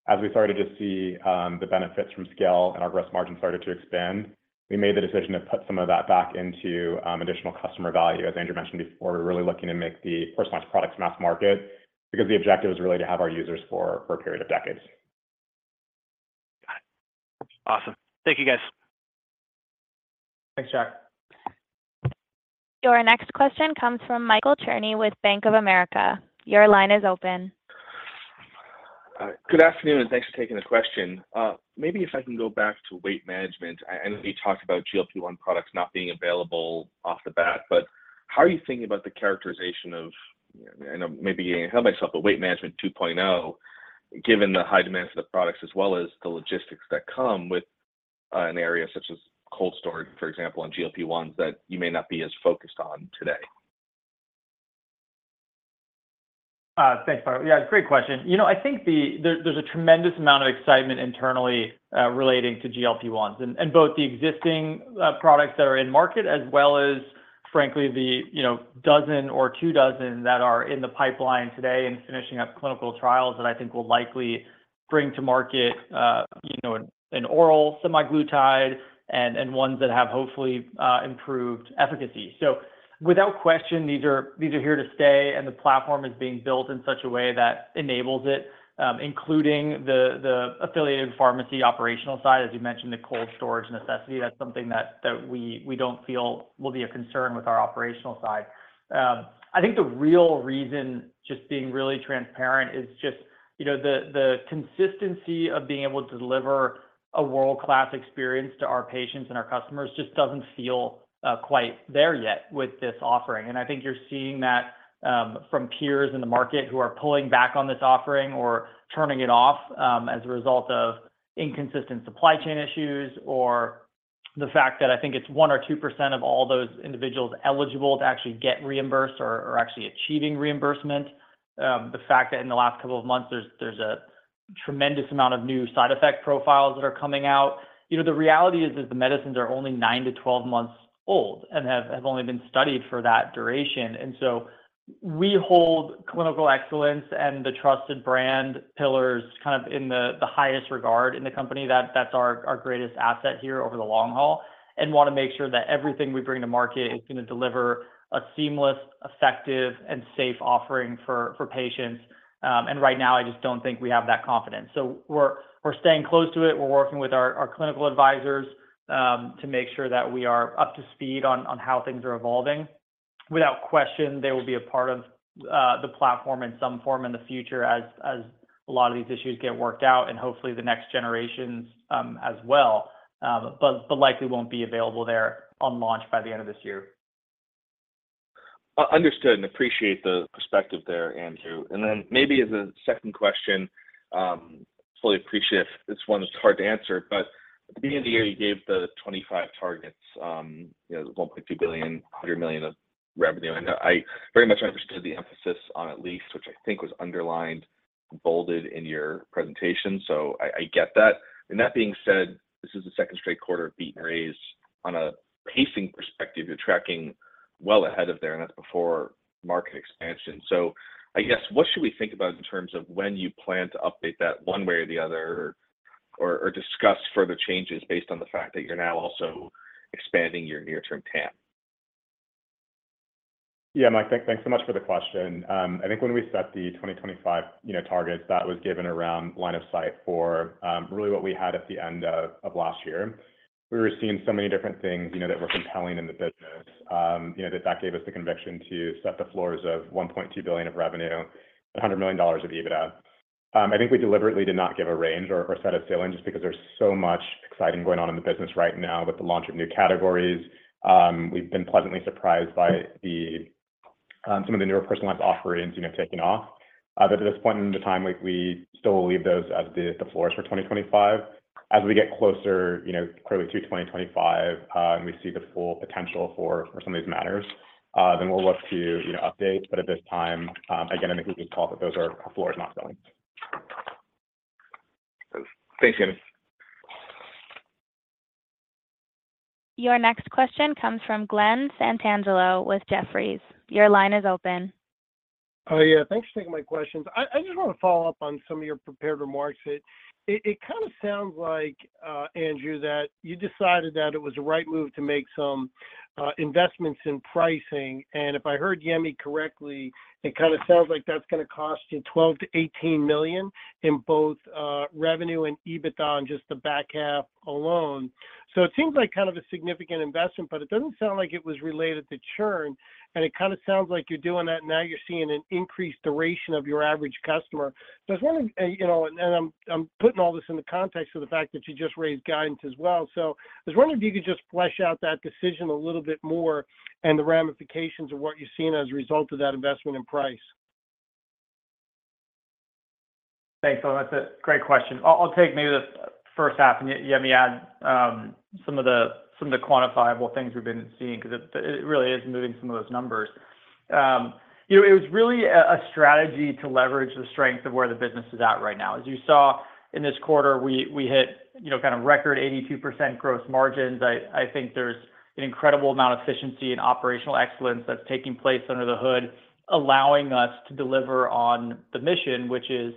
As we started to see, the benefits from scale and our gross margin started to expand, we made the decision to put some of that back into additional customer value. As Andrew mentioned before, we're really looking to make the personalized products mass market, because the objective is really to have our users for, for a period of decades. Got it. Awesome. Thank you, guys. Thanks, Jack. Your next question comes from Michael Cherny with Bank of America. Your line is open. Good afternoon, and thanks for taking the question. Maybe if I can go back to Weight Management, and we talked about GLP-1 products not being available off the bat, but how are you thinking about the characterization of, you know, and maybe I held myself, but Weight Management 2.0, given the high demands of the products as well as the logistics that come with, an area such as cold storage, for example, and GLP-1s, that you may not be as focused on today? Thanks, Michael. Yeah, great question. You know, I think there's, there's a tremendous amount of excitement internally relating to GLP-1s. And both the existing products that are in market, as well as frankly, the, you know, dozen or two dozen that are in the pipeline today and finishing up clinical trials, that I think will likely bring to market, you know, an oral semaglutide and ones that have hopefully improved efficacy. Without question, these are, these are here to stay, and the platform is being built in such a way that enables it, including the, the affiliated pharmacy operational side, as you mentioned, the cold storage necessity. That's something that we don't feel will be a concern with our operational side. I think the real reason, just being really transparent, is just, you know, the, the consistency of being able to deliver a world-class experience to our patients and our customers just doesn't feel quite there yet with this offering. I think you're seeing that from peers in the market who are pulling back on this offering or turning it off, as a result of inconsistent supply chain issues, or the fact that I think it's 1% or 2% of all those individuals eligible to actually get reimbursed or, or actually achieving reimbursement. The fact that in the last couple of months, there's, there's a tremendous amount of new side effect profiles that are coming out. You know, the reality is that the medicines are only 9-12 months old and have, have only been studied for that duration. We hold clinical excellence and the trusted brand pillars in the highest regard in the company. That's our greatest asset here over the long haul, and wanna make sure that everything we bring to market is gonna deliver a seamless, effective, and safe offering for patients. Right now, I just don't think we have that confidence. We're staying close to it. We're working with our clinical advisors to make sure that we are up to speed on how things are evolving. Without question, they will be a part of the platform in some form in the future as a lot of these issues get worked out and hopefully the next generations as well. Likely won't be available there on launch by the end of this year. Understood and appreciate the perspective there, Andrew. Then maybe as a second question, fully appreciate if this one is hard to answer, but at the beginning of the year, you gave the 2025 targets, you know, the $1.2 billion, $100 million of revenue. I very much understood the emphasis on at least, which I think was underlined, bolded in your presentation, so I get that. That being said, this is the second straight quarter of beat and raise. On a pacing perspective, you're tracking well ahead of there, and that's before market expansion. I guess, what should we think about in terms of when you plan to update that one way or the other, or discuss further changes based on the fact that you're now also expanding your near-term TAM? Yeah, Michael Cherny, thank, thanks so much for the question. I think when we set the 2025, you know, targets, that was given around line of sight for really what we had at the end of last year. We were seeing so many different things, you know, that were compelling in the business, you know, that that gave us the conviction to set the floors of $1.2 billion of revenue, $100 million of adjusted EBITDA. I think we deliberately did not give a range or set of ceilings just because there's so much exciting going on in the business right now with the launch of new categories. We've been pleasantly surprised by the some of the newer personalized offerings, you know, taking off. At this point in the time, we still will leave those as the floors for 2025. As we get closer, you know, clearly to 2025, and we see the full potential for, for some of these matters, then we'll look to, you know, update. At this time, again, I think we just thought that those are floors, not ceilings. Thanks, guys. Your next question comes from Glen Santangelo with Jefferies. Your line is open. Yeah, thanks for taking my questions. I just wanna follow up on some of your prepared remarks. It kind of sounds like Andrew, that you decided that it was the right move to make some investments in pricing, and if I heard Yemi correctly, it kind of sounds like that's gonna cost you $12 million-$18 million in both revenue and EBITDA in just the back half alone. It seems like kind of a significant investment, but it doesn't sound like it was related to churn, and it kind of sounds like you're doing that, now you're seeing an increased duration of your average customer. I was wondering, you know, and I'm, I'm putting all this in the context of the fact that you just raised guidance as well. I was wondering if you could just flesh out that decision a little bit more and the ramifications of what you're seeing as a result of that investment in price. Thanks, Glen. That's a great question. I'll take maybe the first half, and Yemi, add, some of the, some of the quantifiable things we've been seeing, 'cause it, it really is moving some of those numbers. You know, it was really a, a strategy to leverage the strength of where the business is at right now. As you saw in this quarter, we, we hit, you know, kind of record 82% gross margins. I think there's an incredible amount of efficiency and operational excellence that's taking place under the hood, allowing us to deliver on the mission, which is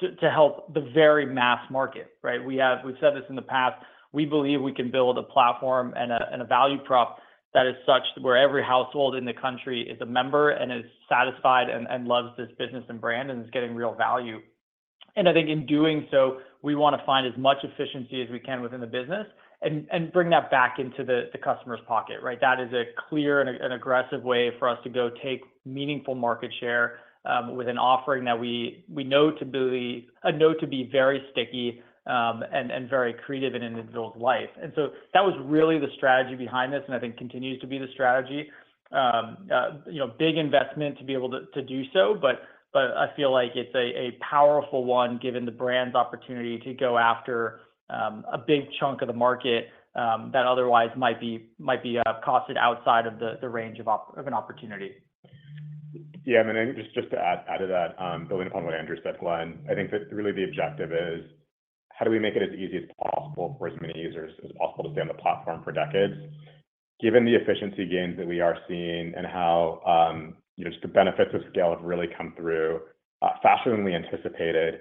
to, to help the very mass market, right? We've said this in the past, we believe we can build a platform and a value prop that is such, where every household in the country is a member and is satisfied, and loves this business and brand, and is getting real value. I think in doing so, we wanna find as much efficiency as we can within the business and bring that back into the customer's pocket, right? That is a clear an aggressive way for us to go take meaningful market share, with an offering that we know to be know to be very sticky, and very creative in an individual's life. That was really the strategy behind this, and I think continues to be the strategy. you know, big investment to be able to do so, but I feel like it's a powerful one, given the brand's opportunity to go after, a big chunk of the market, that otherwise might be, might be costed outside of the range of an opportunity. Yeah, I mean, just to add to that, building upon what Andrew said, Glen, I think that really the objective is how do we make it as easy as possible for as many users as possible to stay on the platform for decades? Given the efficiency gains that we are seeing and how, you know, just the benefits of scale have really come through faster than we anticipated,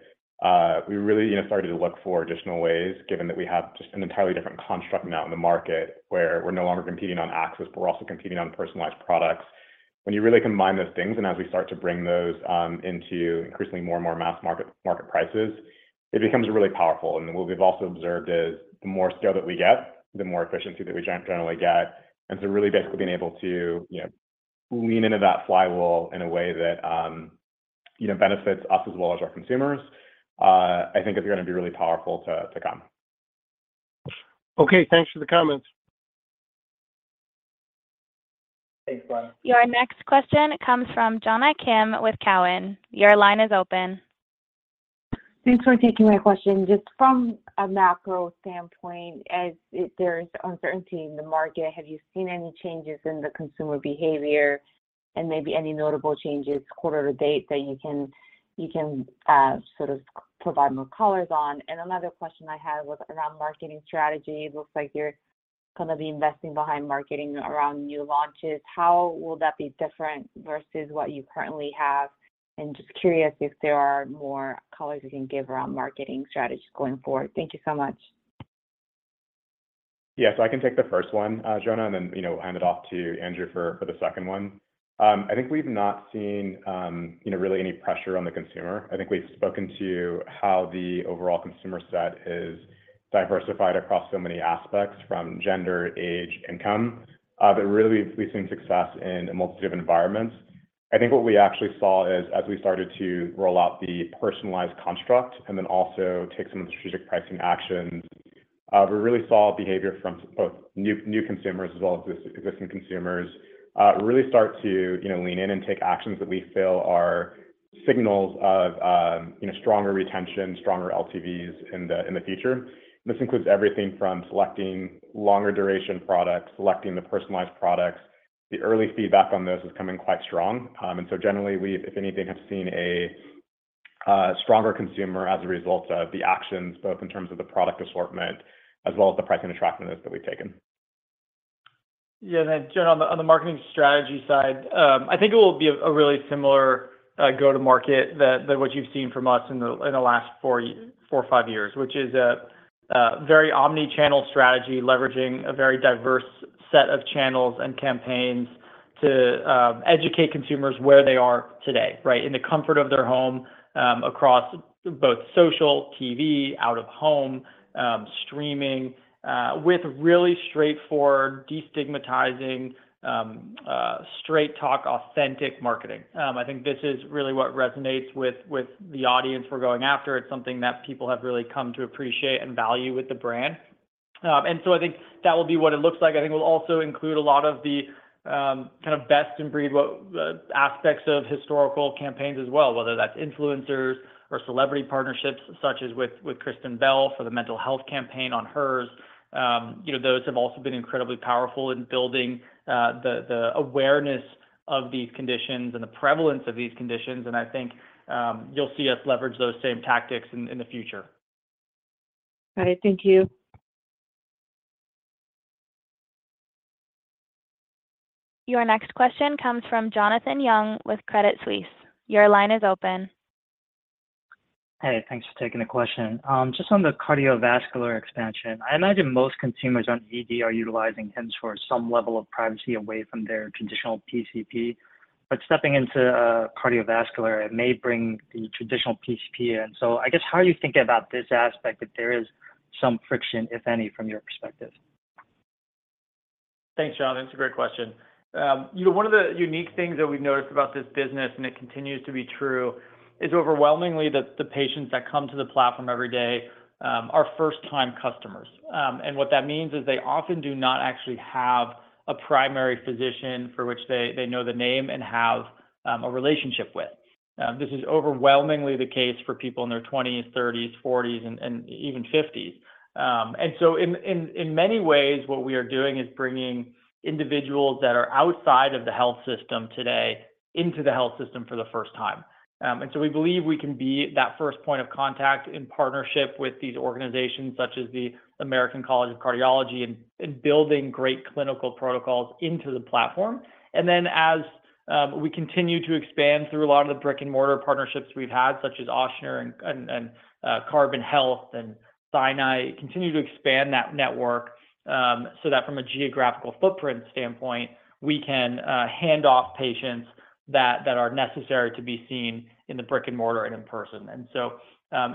we really, you know, started to look for additional ways, given that we have just an entirely different construct now in the market, where we're no longer competing on access, but we're also competing on personalized products. When you really combine those things, and as we start to bring those into increasingly more and more mass market, market prices, it becomes really powerful. What we've also observed is, the more scale that we get, the more efficiency that we generally get. So really basically being able to, you know, lean into that flywheel in a way that, you know, benefits us as well as our consumers, I think is gonna be really powerful to, to come. Okay, thanks for the comments. Thanks, Glen. Your next question comes from Jonna Kim with Cowen. Your line is open. Thanks for taking my question. Just from a macro standpoint, as there is uncertainty in the market, have you seen any changes in the consumer behavior and maybe any notable changes quarter to date that you can, you can sort of provide more colors on? Another question I had was around marketing strategy. It looks like you're gonna be investing behind marketing around new launches. How will that be different versus what you currently have? Just curious if there are more colors you can give around marketing strategy going forward. Thank you so much. Yeah, I can take the first one, Jonna, and then, you know, hand it off to Andrew for, for the second one. I think we've not seen, you know, really any pressure on the consumer. I think we've spoken to how the overall consumer set is diversified across so many aspects, from gender, age, income. Really, we've seen success in a multitude of environments. I think what we actually saw is, as we started to roll out the personalized construct and then also take some strategic pricing actions, we really saw behavior from both new consumers as well as existing consumers, really start to, you know, lean in and take actions that we feel are signals of, you know, stronger retention, stronger LTVs in the, in the future. This includes everything from selecting longer duration products, selecting the personalized products. The early feedback on this is coming quite strong. Generally, we've, if anything, have seen a stronger consumer as a result of the actions, both in terms of the product assortment as well as the price and attractiveness that we've taken. Yeah, Jonna, on the marketing strategy side, I think it will be a really similar go-to-market than what you've seen from us in the last four or five years, which is a very omni-channel strategy, leveraging a very diverse set of channels and campaigns to educate consumers where they are today, right. In the comfort of their home, across both social, TV, out of home, streaming, with really straightforward, destigmatizing, straight talk, authentic marketing. I think this is really what resonates with the audience we're going after. It's something that people have really come to appreciate and value with the brand. I think that will be what it looks like. I think we'll also include a lot of the kind of best in breed what aspects of historical campaigns as well, whether that's influencers or celebrity partnerships, such as with, with Kristen Bell for the mental health campaign on Hers. You know, those have also been incredibly powerful in building, the awareness of these conditions and the prevalence of these conditions, and I think, you'll see us leverage those same tactics in, in the future. Got it. Thank you. Your next question comes from Jonathan Yong with Credit Suisse. Your line is open. Hey, thanks for taking the question. Just on the cardiovascular expansion, I imagine most consumers on ED are utilizing Hims for some level of privacy away from their traditional PCP. Stepping into cardiovascular, it may bring the traditional PCP in. I guess, how are you thinking about this aspect, if there is some friction, if any, from your perspective? Thanks, Jonathan. It's a great question. You know, one of the unique things that we've noticed about this business, and it continues to be true, is overwhelmingly, that the patients that come to the platform every day are first-time customers. And what that means is they often do not actually have a primary physician for which they, they know the name and have a relationship with. This is overwhelmingly the case for people in their '20s, '30s, '40s, and, and even '50s. And so in many ways, what we are doing is bringing individuals that are outside of the health system today into the health system for the first time. So we believe we can be that first point of contact in partnership with these organizations, such as the American College of Cardiology, in, in building great clinical protocols into the platform. Then, as we continue to expand through a lot of the brick-and-mortar partnerships we've had, such as Ochsner and, and, and Carbon Health, and Sinai, continue to expand that network, so that from a geographical footprint standpoint, we can hand off patients that, that are necessary to be seen in the brick-and-mortar and in person. So,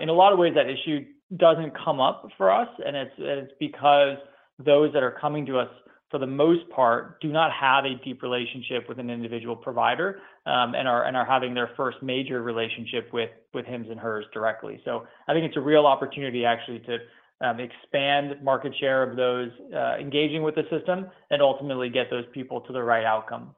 in a lot of ways, that issue doesn't come up for us, and it's, it's because those that are coming to us, for the most part, do not have a deep relationship with an individual provider, and are, and are having their first major relationship with Hims & Hers directly. I think it's a real opportunity actually to expand market share of those engaging with the system, and ultimately get those people to the right outcome.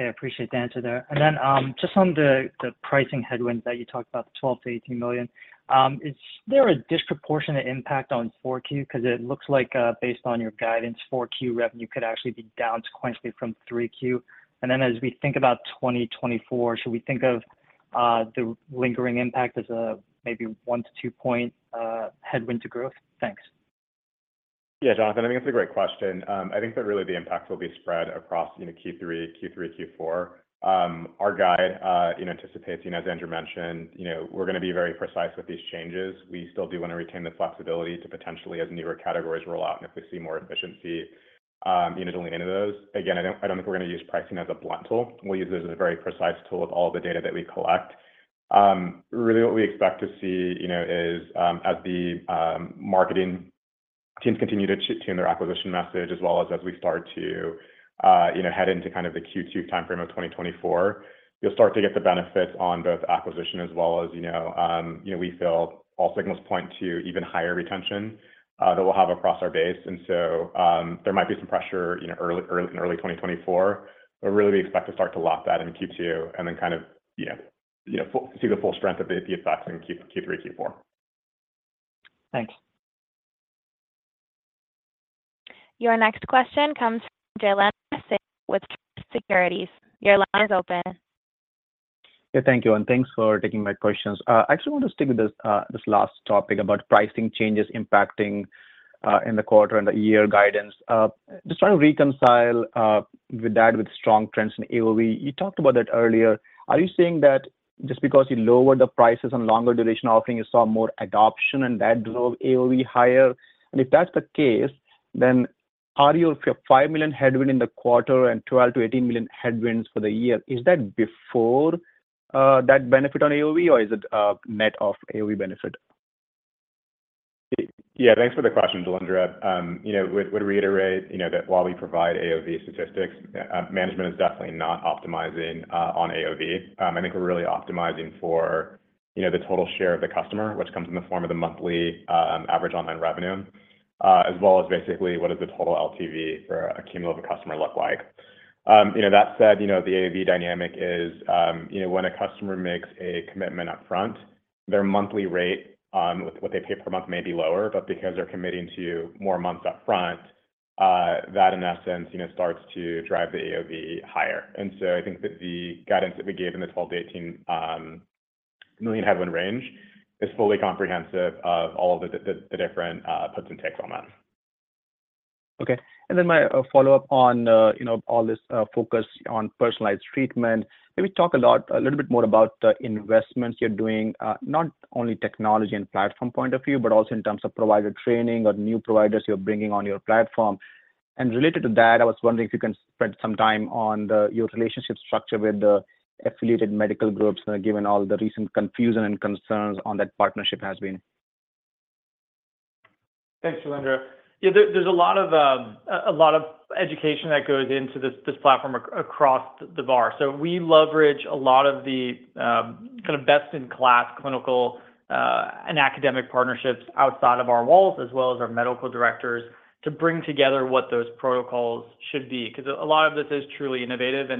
Okay, I appreciate the answer there. Then, just on the, the pricing headwinds that you talked about, the $12 million-$18 million. Is there a disproportionate impact on Q4? 'Cause it looks like, based on your guidance, Q4 revenue could actually be down sequentially from Q3. Then, as we think about 2024, should we think of the lingering impact as a maybe 1-2 point headwind to growth? Thanks. Yeah, Jonathan, I think that's a great question. I think that really the impact will be spread across, you know, Q3, Q3, Q4. Our guide, you know, anticipates, you know, as Andrew mentioned, you know, we're gonna be very precise with these changes. We still do wanna retain the flexibility to potentially as newer categories roll out, and if we see more efficiency, you know, to lean into those. Again, I don't, I don't think we're gonna use pricing as a blunt tool. We'll use it as a very precise tool with all the data that we collect. Really, what we expect to see, you know, is, as the marketing teams continue to tune their acquisition message, as well as as we start to, you know, head into kind of the Q2 timeframe of 2024, you'll start to get the benefits on both acquisition as well as, you know, we feel all signals point to even higher retention that we'll have across our base. So, there might be some pressure, you know, early in early 2024, but really, we expect to start to lock that in Q2, and then kind of, you know, see the full strength of the effects in Q3, Q4. Thanks. Your next question comes from Jailendra Singh with Truist Securities. Your line is open. Yeah, thank you, and thanks for taking my questions. I actually want to stick with this, this last topic about pricing changes impacting, in the quarter and the year guidance. Just trying to reconcile, with that, with strong trends in AOV. You talked about that earlier. Are you saying that just because you lowered the prices on longer duration offering, you saw more adoption, and that drove AOV higher? If that's the case, then are your $5 million headwind in the quarter and $12 million-$18 million headwinds for the year, is that before, that benefit on AOV, or is it, net of AOV benefit? Yeah, thanks for the question, Jailendra. You know, would, would reiterate, you know, that while we provide AOV statistics, management is definitely not optimizing on AOV. I think we're really optimizing for, you know, the total share of the customer, which comes in the form of the monthly average online revenue, as well as basically, what is the total LTV for a cumulative customer look like? You know, that said, you know, the AOV dynamic is, you know, when a customer makes a commitment upfront, their monthly rate, what they pay per month may be lower, but because they're committing to more months upfront, that, in essence, you know, starts to drive the AOV higher. I think that the guidance that we gave in the $12 million-$18 million headwind range is fully comprehensive of all the different puts and takes on that. Okay. My follow-up on, you know, all this focus on personalized treatment. Maybe talk a little bit more about the investments you're doing, not only technology and platform point of view, but also in terms of provider training or new providers you're bringing on your platform. Related to that, I was wondering if you can spend some time on your relationship structure with the affiliated medical groups, given all the recent confusion and concerns on that partnership has been? Thanks, Jailendra. Yeah, there, there's a lot of education that goes into this, this platform across the bar. We leverage a lot of the, kind of best-in-class clinical, and academic partnerships outside of our walls, as well as our medical directors, to bring together what those protocols should be. 'Cause a lot of this is truly innovative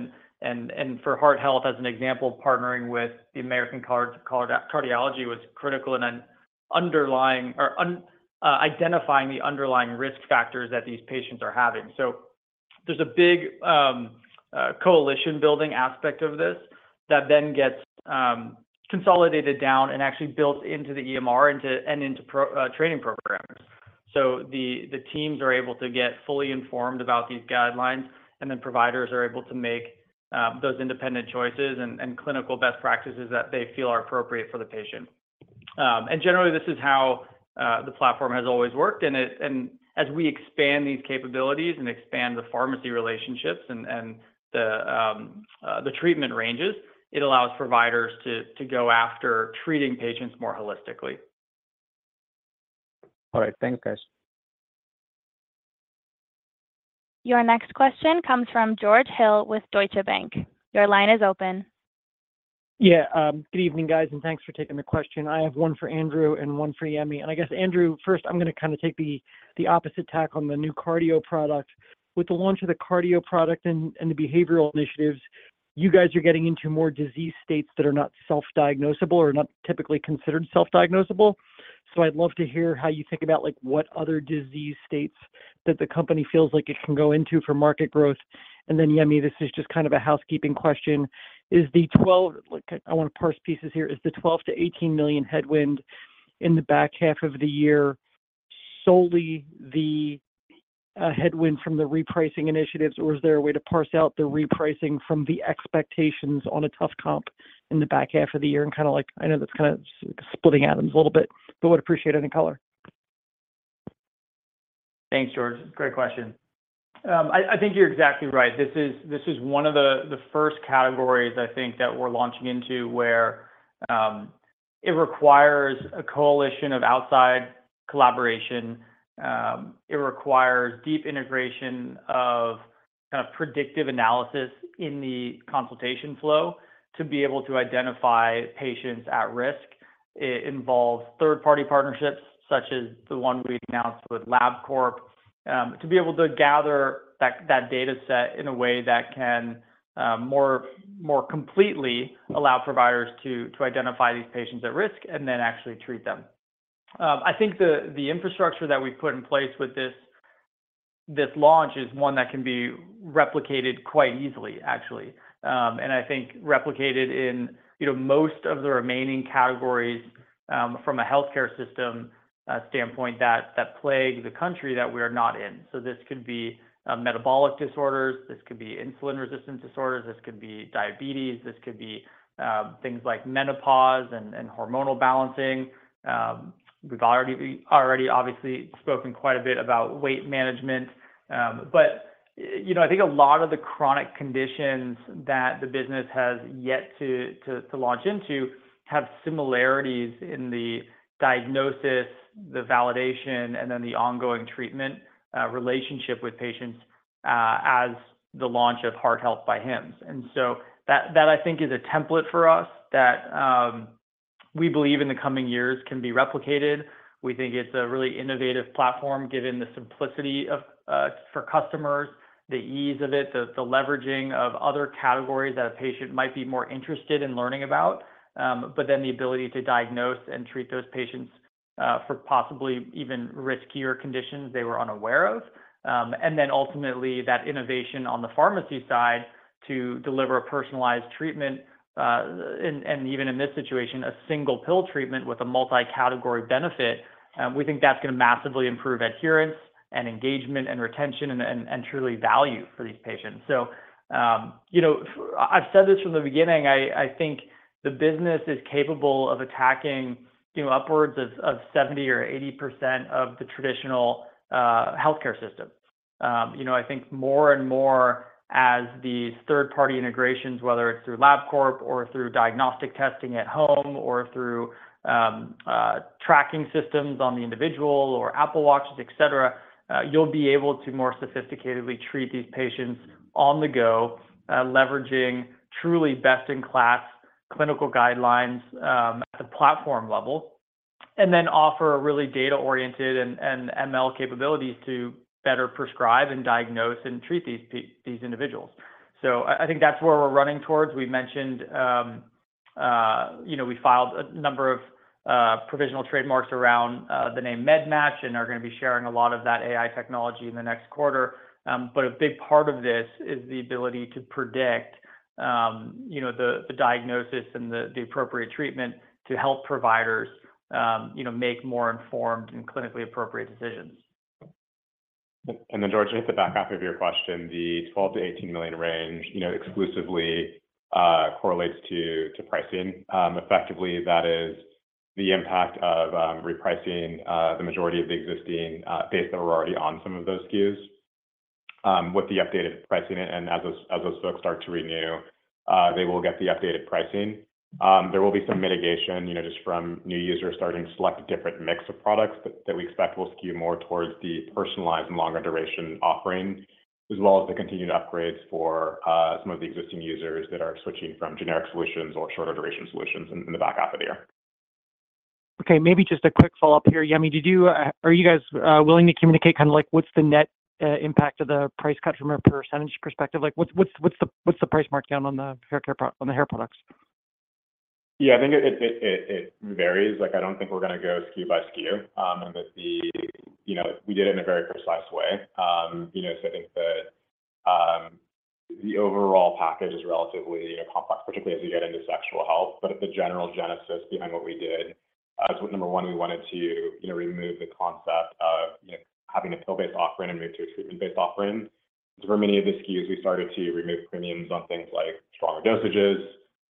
and for Heart Health, as an example, partnering with the American College of Cardiology was critical in an underlying or identifying the underlying risk factors that these patients are having. There's a big, coalition-building aspect of this, that then gets, consolidated down and actually built into the EMR, and into pro training programs. The teams are able to get fully informed about these guidelines, and then providers are able to make those independent choices and clinical best practices that they feel are appropriate for the patient. Generally, this is how the platform has always worked, and as we expand these capabilities and expand the pharmacy relationships and the treatment ranges, it allows providers to go after treating patients more holistically. All right. Thank you, guys. Your next question comes from George Hill with Deutsche Bank. Your line is open. Yeah, good evening, guys, and thanks for taking the question. I have one for Andrew and one for Yemi. I guess, Andrew, first, I'm gonna kind of take the, the opposite tack on the new cardio product. With the launch of the cardio product and the behavioral initiatives, you guys are getting into more disease states that are not self-diagnosable or not typically considered self-diagnosable. I'd love to hear how you think about, like, what other disease states that the company feels like it can go into for market growth. Then, Yemi, this is just kind of a housekeeping question: Is the 12-- Like, I wanna parse pieces here. Is the $12 million-$18 million headwind in the back half of the year solely the headwind from the repricing initiatives, or is there a way to parse out the repricing from the expectations on a tough comp in the back half of the year? Kinda like, I know that's kind of splitting atoms a little bit, but would appreciate any color. Thanks, George. Great question. I, I think you're exactly right. This is one of the first categories I think that we're launching into, where it requires a coalition of outside collaboration. It requires deep integration of kind of predictive analysis in the consultation flow to be able to identify patients at risk. It involves third-party partnerships, such as the one we announced with Labcorp, to be able to gather that, that data set in a way that can more, more completely allow providers to, to identify these patients at risk and then actually treat them. I think the, the infrastructure that we've put in place with this launch is one that can be replicated quite easily, actually. I think replicated in, you know, most of the remaining categories from a healthcare system standpoint that plague the country that we are not in. This could be metabolic disorders, this could be insulin resistance disorders, this could be diabetes, this could be things like menopause and hormonal balancing. We've already, we already obviously spoken quite a bit about Weight Management. But, you know, I think a lot of the chronic conditions that the business has yet to launch into have similarities in the diagnosis, the validation, and then the ongoing treatment relationship with patients as the launch of Heart Health by Hims. That I think is a template for us, that we believe in the coming years can be replicated. We think it's a really innovative platform, given the simplicity of for customers, the ease of it, the, the leveraging of other categories that a patient might be more interested in learning about. Then the ability to diagnose and treat those patients for possibly even riskier conditions they were unaware of. Then ultimately, that innovation on the pharmacy side to deliver a personalized treatment, and even in this situation, a single pill treatment with a multi-category benefit. We think that's gonna massively improve adherence, and engagement, and retention, and, and, and truly value for these patients. You know, I've said this from the beginning, I think the business is capable of attacking, you know, upwards of 70% or 80% of the traditional healthcare system. You know, I think more and more as the third-party integrations, whether it's through Labcorp or through diagnostic testing at home, or through tracking systems on the individual or Apple Watches, et cetera, you'll be able to more sophisticatedly treat these patients on the go, leveraging truly best-in-class clinical guidelines at the platform level. Offer a really data-oriented and ML capabilities to better prescribe and diagnose, and treat these individuals. I think that's where we're running towards. We mentioned, you know, we filed a number of provisional trademarks around the name MedMatch, and are gonna be sharing a lot of that AI technology in the next quarter. A big part of this is the ability to predict, you know, the diagnosis and the appropriate treatment to help providers, you know, make more informed and clinically appropriate decisions. George, just to back off of your question, the $12 million-$18 million range, you know, exclusively correlates to pricing. Effectively, that is the impact of repricing the majority of the existing base that were already on some of those SKUs. With the updated pricing and as those, as those folks start to renew, they will get the updated pricing. There will be some mitigation, you know, just from new users starting to select a different mix of products that, that we expect will skew more towards the personalized and longer duration offering, as well as the continued upgrades for some of the existing users that are switching from generic solutions or shorter duration solutions in the back half of the year. Okay, maybe just a quick follow-up here. Yemi, did you-- are you guys, willing to communicate kind of like, what's the net, impact of the price cut from a percentage perspective? Like, what's the price mark down on the hair care pro- on the hair products? Yeah, I think it varies. Like, I don't think we're gonna go SKU by SKU. You know, we did it in a very precise way. You know, I think the overall package is relatively complex, particularly as you get into sexual health. At the general genesis behind what we did, number one, we wanted to, you know, remove the concept of, you know, having a pill-based offering and move to a treatment-based offering. For many of the SKUs, we started to remove premiums on things like stronger dosages,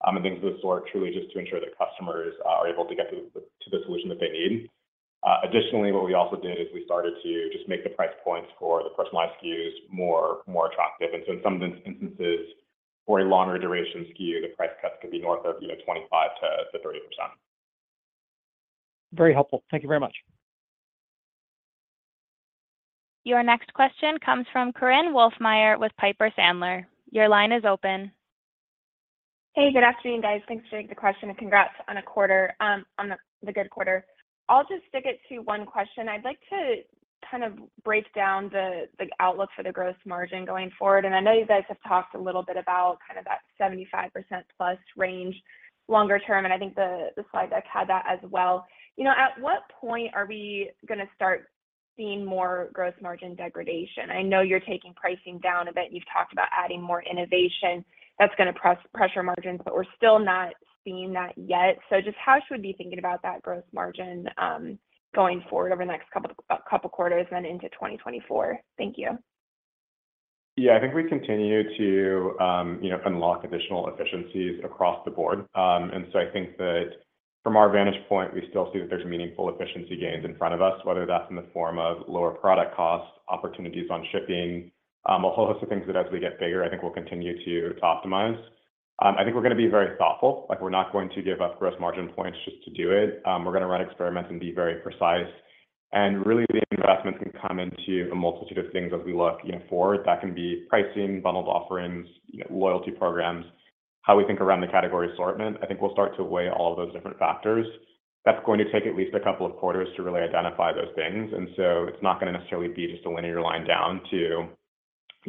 and things of the sort, truly just to ensure that customers are able to get to the solution that they need. Additionally, what we also did is we started to just make the price points for the personalized SKUs more, more attractive. So in some instances, for a longer duration SKU, the price cuts could be north of, you know, 25%-30%. Very helpful. Thank you very much. Your next question comes from Korinne Wolfmeyer with Piper Sandler. Your line is open. Hey, good afternoon, guys. Thanks for taking the question. Congrats on a quarter, on the good quarter. I'll just stick it to one question. I'd like to kind of break down the outlook for the gross margin going forward. I know you guys have talked a little bit about kind of that 75% plus range longer term, and I think the slide deck had that as well. You know, at what point are we gonna start seeing more gross margin degradation? I know you're taking pricing down a bit. You've talked about adding more innovation that's gonna pressure margins, but we're still not seeing that yet. Just how should we be thinking about that growth margin going forward over the next couple quarters and into 2024? Thank you. Yeah, I think we continue to, you know, unlock additional efficiencies across the board. So I think that from our vantage point, we still see that there's meaningful efficiency gains in front of us, whether that's in the form of lower product costs, opportunities on shipping, a whole host of things that as we get bigger, I think we'll continue to, to optimize. I think we're gonna be very thoughtful, like, we're not going to give up gross margin points just to do it. We're gonna run experiments and be very precise. Really, the investments can come into a multitude of things as we look, you know, forward. That can be pricing, bundled offerings, you know, loyalty programs, how we think around the category assortment. I think we'll start to weigh all of those different factors. That's going to take at least a couple of quarters to really identify those things, and so it's not gonna necessarily be just a linear line down to,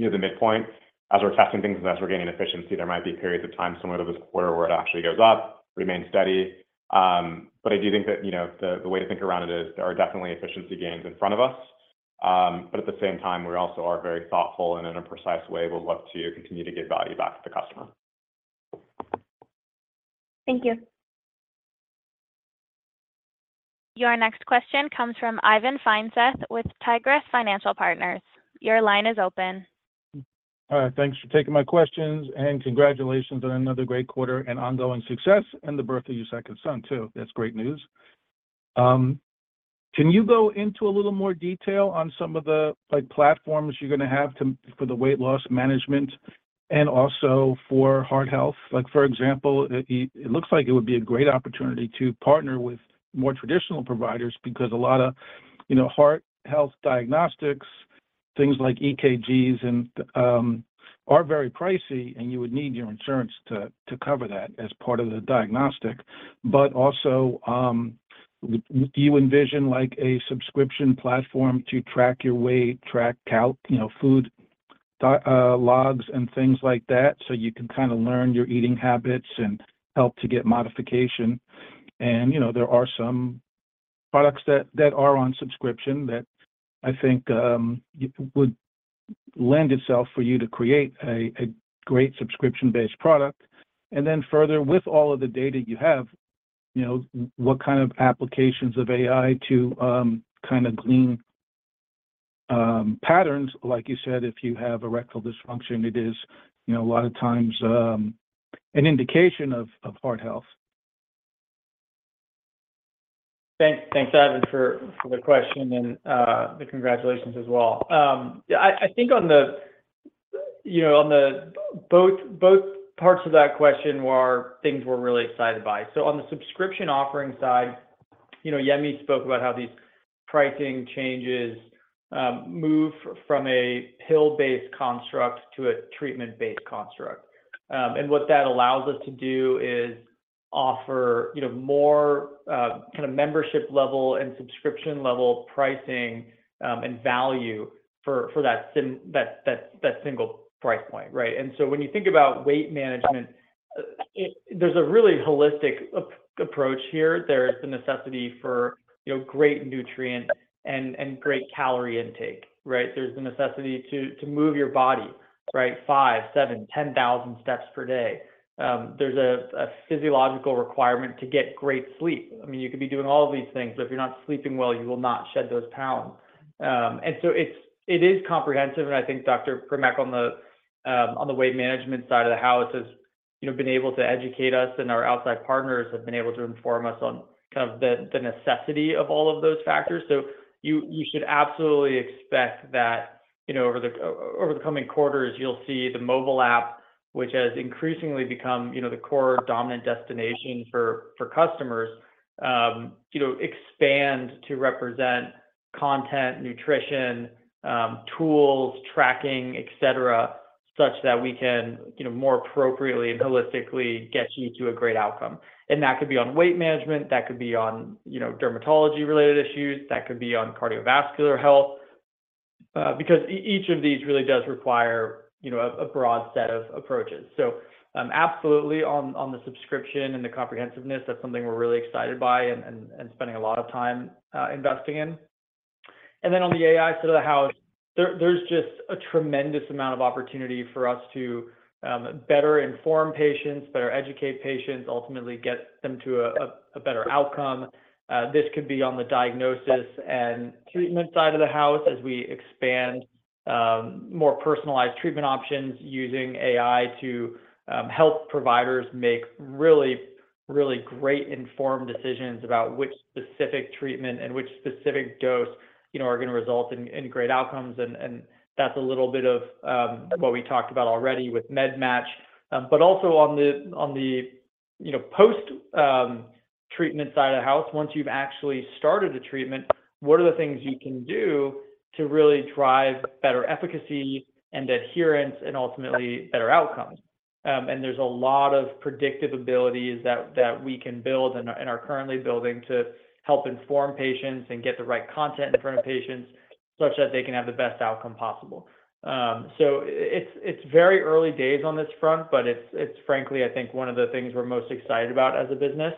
you know, the midpoint. As we're testing things and as we're gaining efficiency, there might be periods of time similar to this quarter, where it actually goes up, remains steady. I do think that, you know, the, the way to think around it is there are definitely efficiency gains in front of us. At the same time, we also are very thoughtful, and in a precise way, we'll look to continue to give value back to the customer. Thank you. Your next question comes from Ivan Feinseth with Tigress Financial Partners. Your line is open. All right, thanks for taking my questions, and congratulations on another great quarter and ongoing success, and the birth of your second son, too. That's great news. Can you go into a little more detail on some of the, like, platforms you're gonna for the weight loss management and also for Heart Health? Like, for example, it looks like it would be a great opportunity to partner with more traditional providers because a lot of, you know, Heart Health diagnostics, things like EKGs and are very pricey, and you would need your insurance to cover that as part of the diagnostic. Also, do you envision, like, a subscription platform to track your weight, track calc, you know, food logs and things like that, so you can kinda learn your eating habits and help to get modification? You know, there are some products that, that are on subscription that I think would lend itself for you to create a great subscription-based product. Then further, with all of the data you have, you know, what kind of applications of AI to kind of glean patterns? Like you said, if you have ED, it is, you know, a lot of times an indication of heart health. Thanks. Thanks, Ivan, for the question and the congratulations as well. Yeah, I think on the, you know, on the both, both parts of that question were things we're really excited by. On the subscription offering side, you know, Yemi spoke about how these pricing changes move from a pill-based construct to a treatment-based construct. And what that allows us to do is offer, you know, more kind of membership level and subscription level pricing and value for that single price point, right? When you think about weight management, there's a really holistic approach here. There's the necessity for, you know, great nutrient and, and great calorie intake, right? There's the necessity to move your body, right? 5,000, 7,000 10,000 steps per day. There's a physiological requirement to get great sleep. I mean, you could be doing all of these things, but if you're not sleeping well, you will not shed those pounds. It is comprehensive, and I think Dr. Primack, on the Weight Management side of the house has, you know, been able to educate us, and our outside partners have been able to inform us on kind of the necessity of all of those factors. You should absolutely expect that, you know, over the coming quarters, you'll see the mobile app, which has increasingly become, you know, the core dominant destination for customers, you know, expand to represent content, nutrition, tools, tracking, et cetera, such that we can, you know, more appropriately and holistically get you to a great outcome. That could be on weight management, that could be on, you know, dermatology-related issues, that could be on cardiovascular health, because each of these really does require, you know, a broad set of approaches. Absolutely on the subscription and the comprehensiveness, that's something we're really excited by and spending a lot of time investing in. Then on the AI side of the house, there's just a tremendous amount of opportunity for us to better inform patients, better educate patients, ultimately get them to a better outcome. This could be on the diagnosis and treatment side of the house as we expand more personalized treatment options using AI to help providers make really, really great informed decisions about which specific treatment and which specific dose, you know, are gonna result in, in great outcomes. That's a little bit of what we talked about already with MedMatch. Also on the you know, post treatment side of the house, once you've actually started a treatment, what are the things you can do to really drive better efficacy and adherence and ultimately better outcomes? There's a lot of predictive abilities that, that we can build and are, and are currently building to help inform patients and get the right content in front of patients, such that they can have the best outcome possible. It's very early days on this front, but it's frankly, I think, one of the things we're most excited about as a business,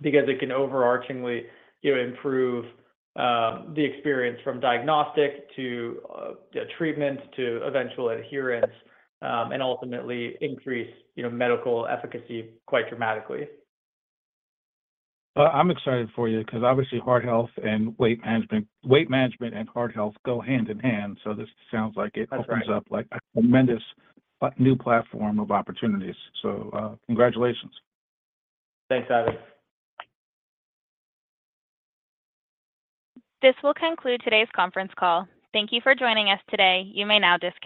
because it can overarchingly, you know, improve, the experience from diagnostic to treatment, to eventual adherence, and ultimately increase, you know, medical efficacy quite dramatically. I'm excited for you 'cause obviously, heart health and weight management-- weight management and heart health go hand in hand, so this sounds like it opens up, like, a tremendous, but new platform of opportunities. Congratulations. Thanks, Ivan. This will conclude today's conference call. Thank you for joining us today. You may now disconnect.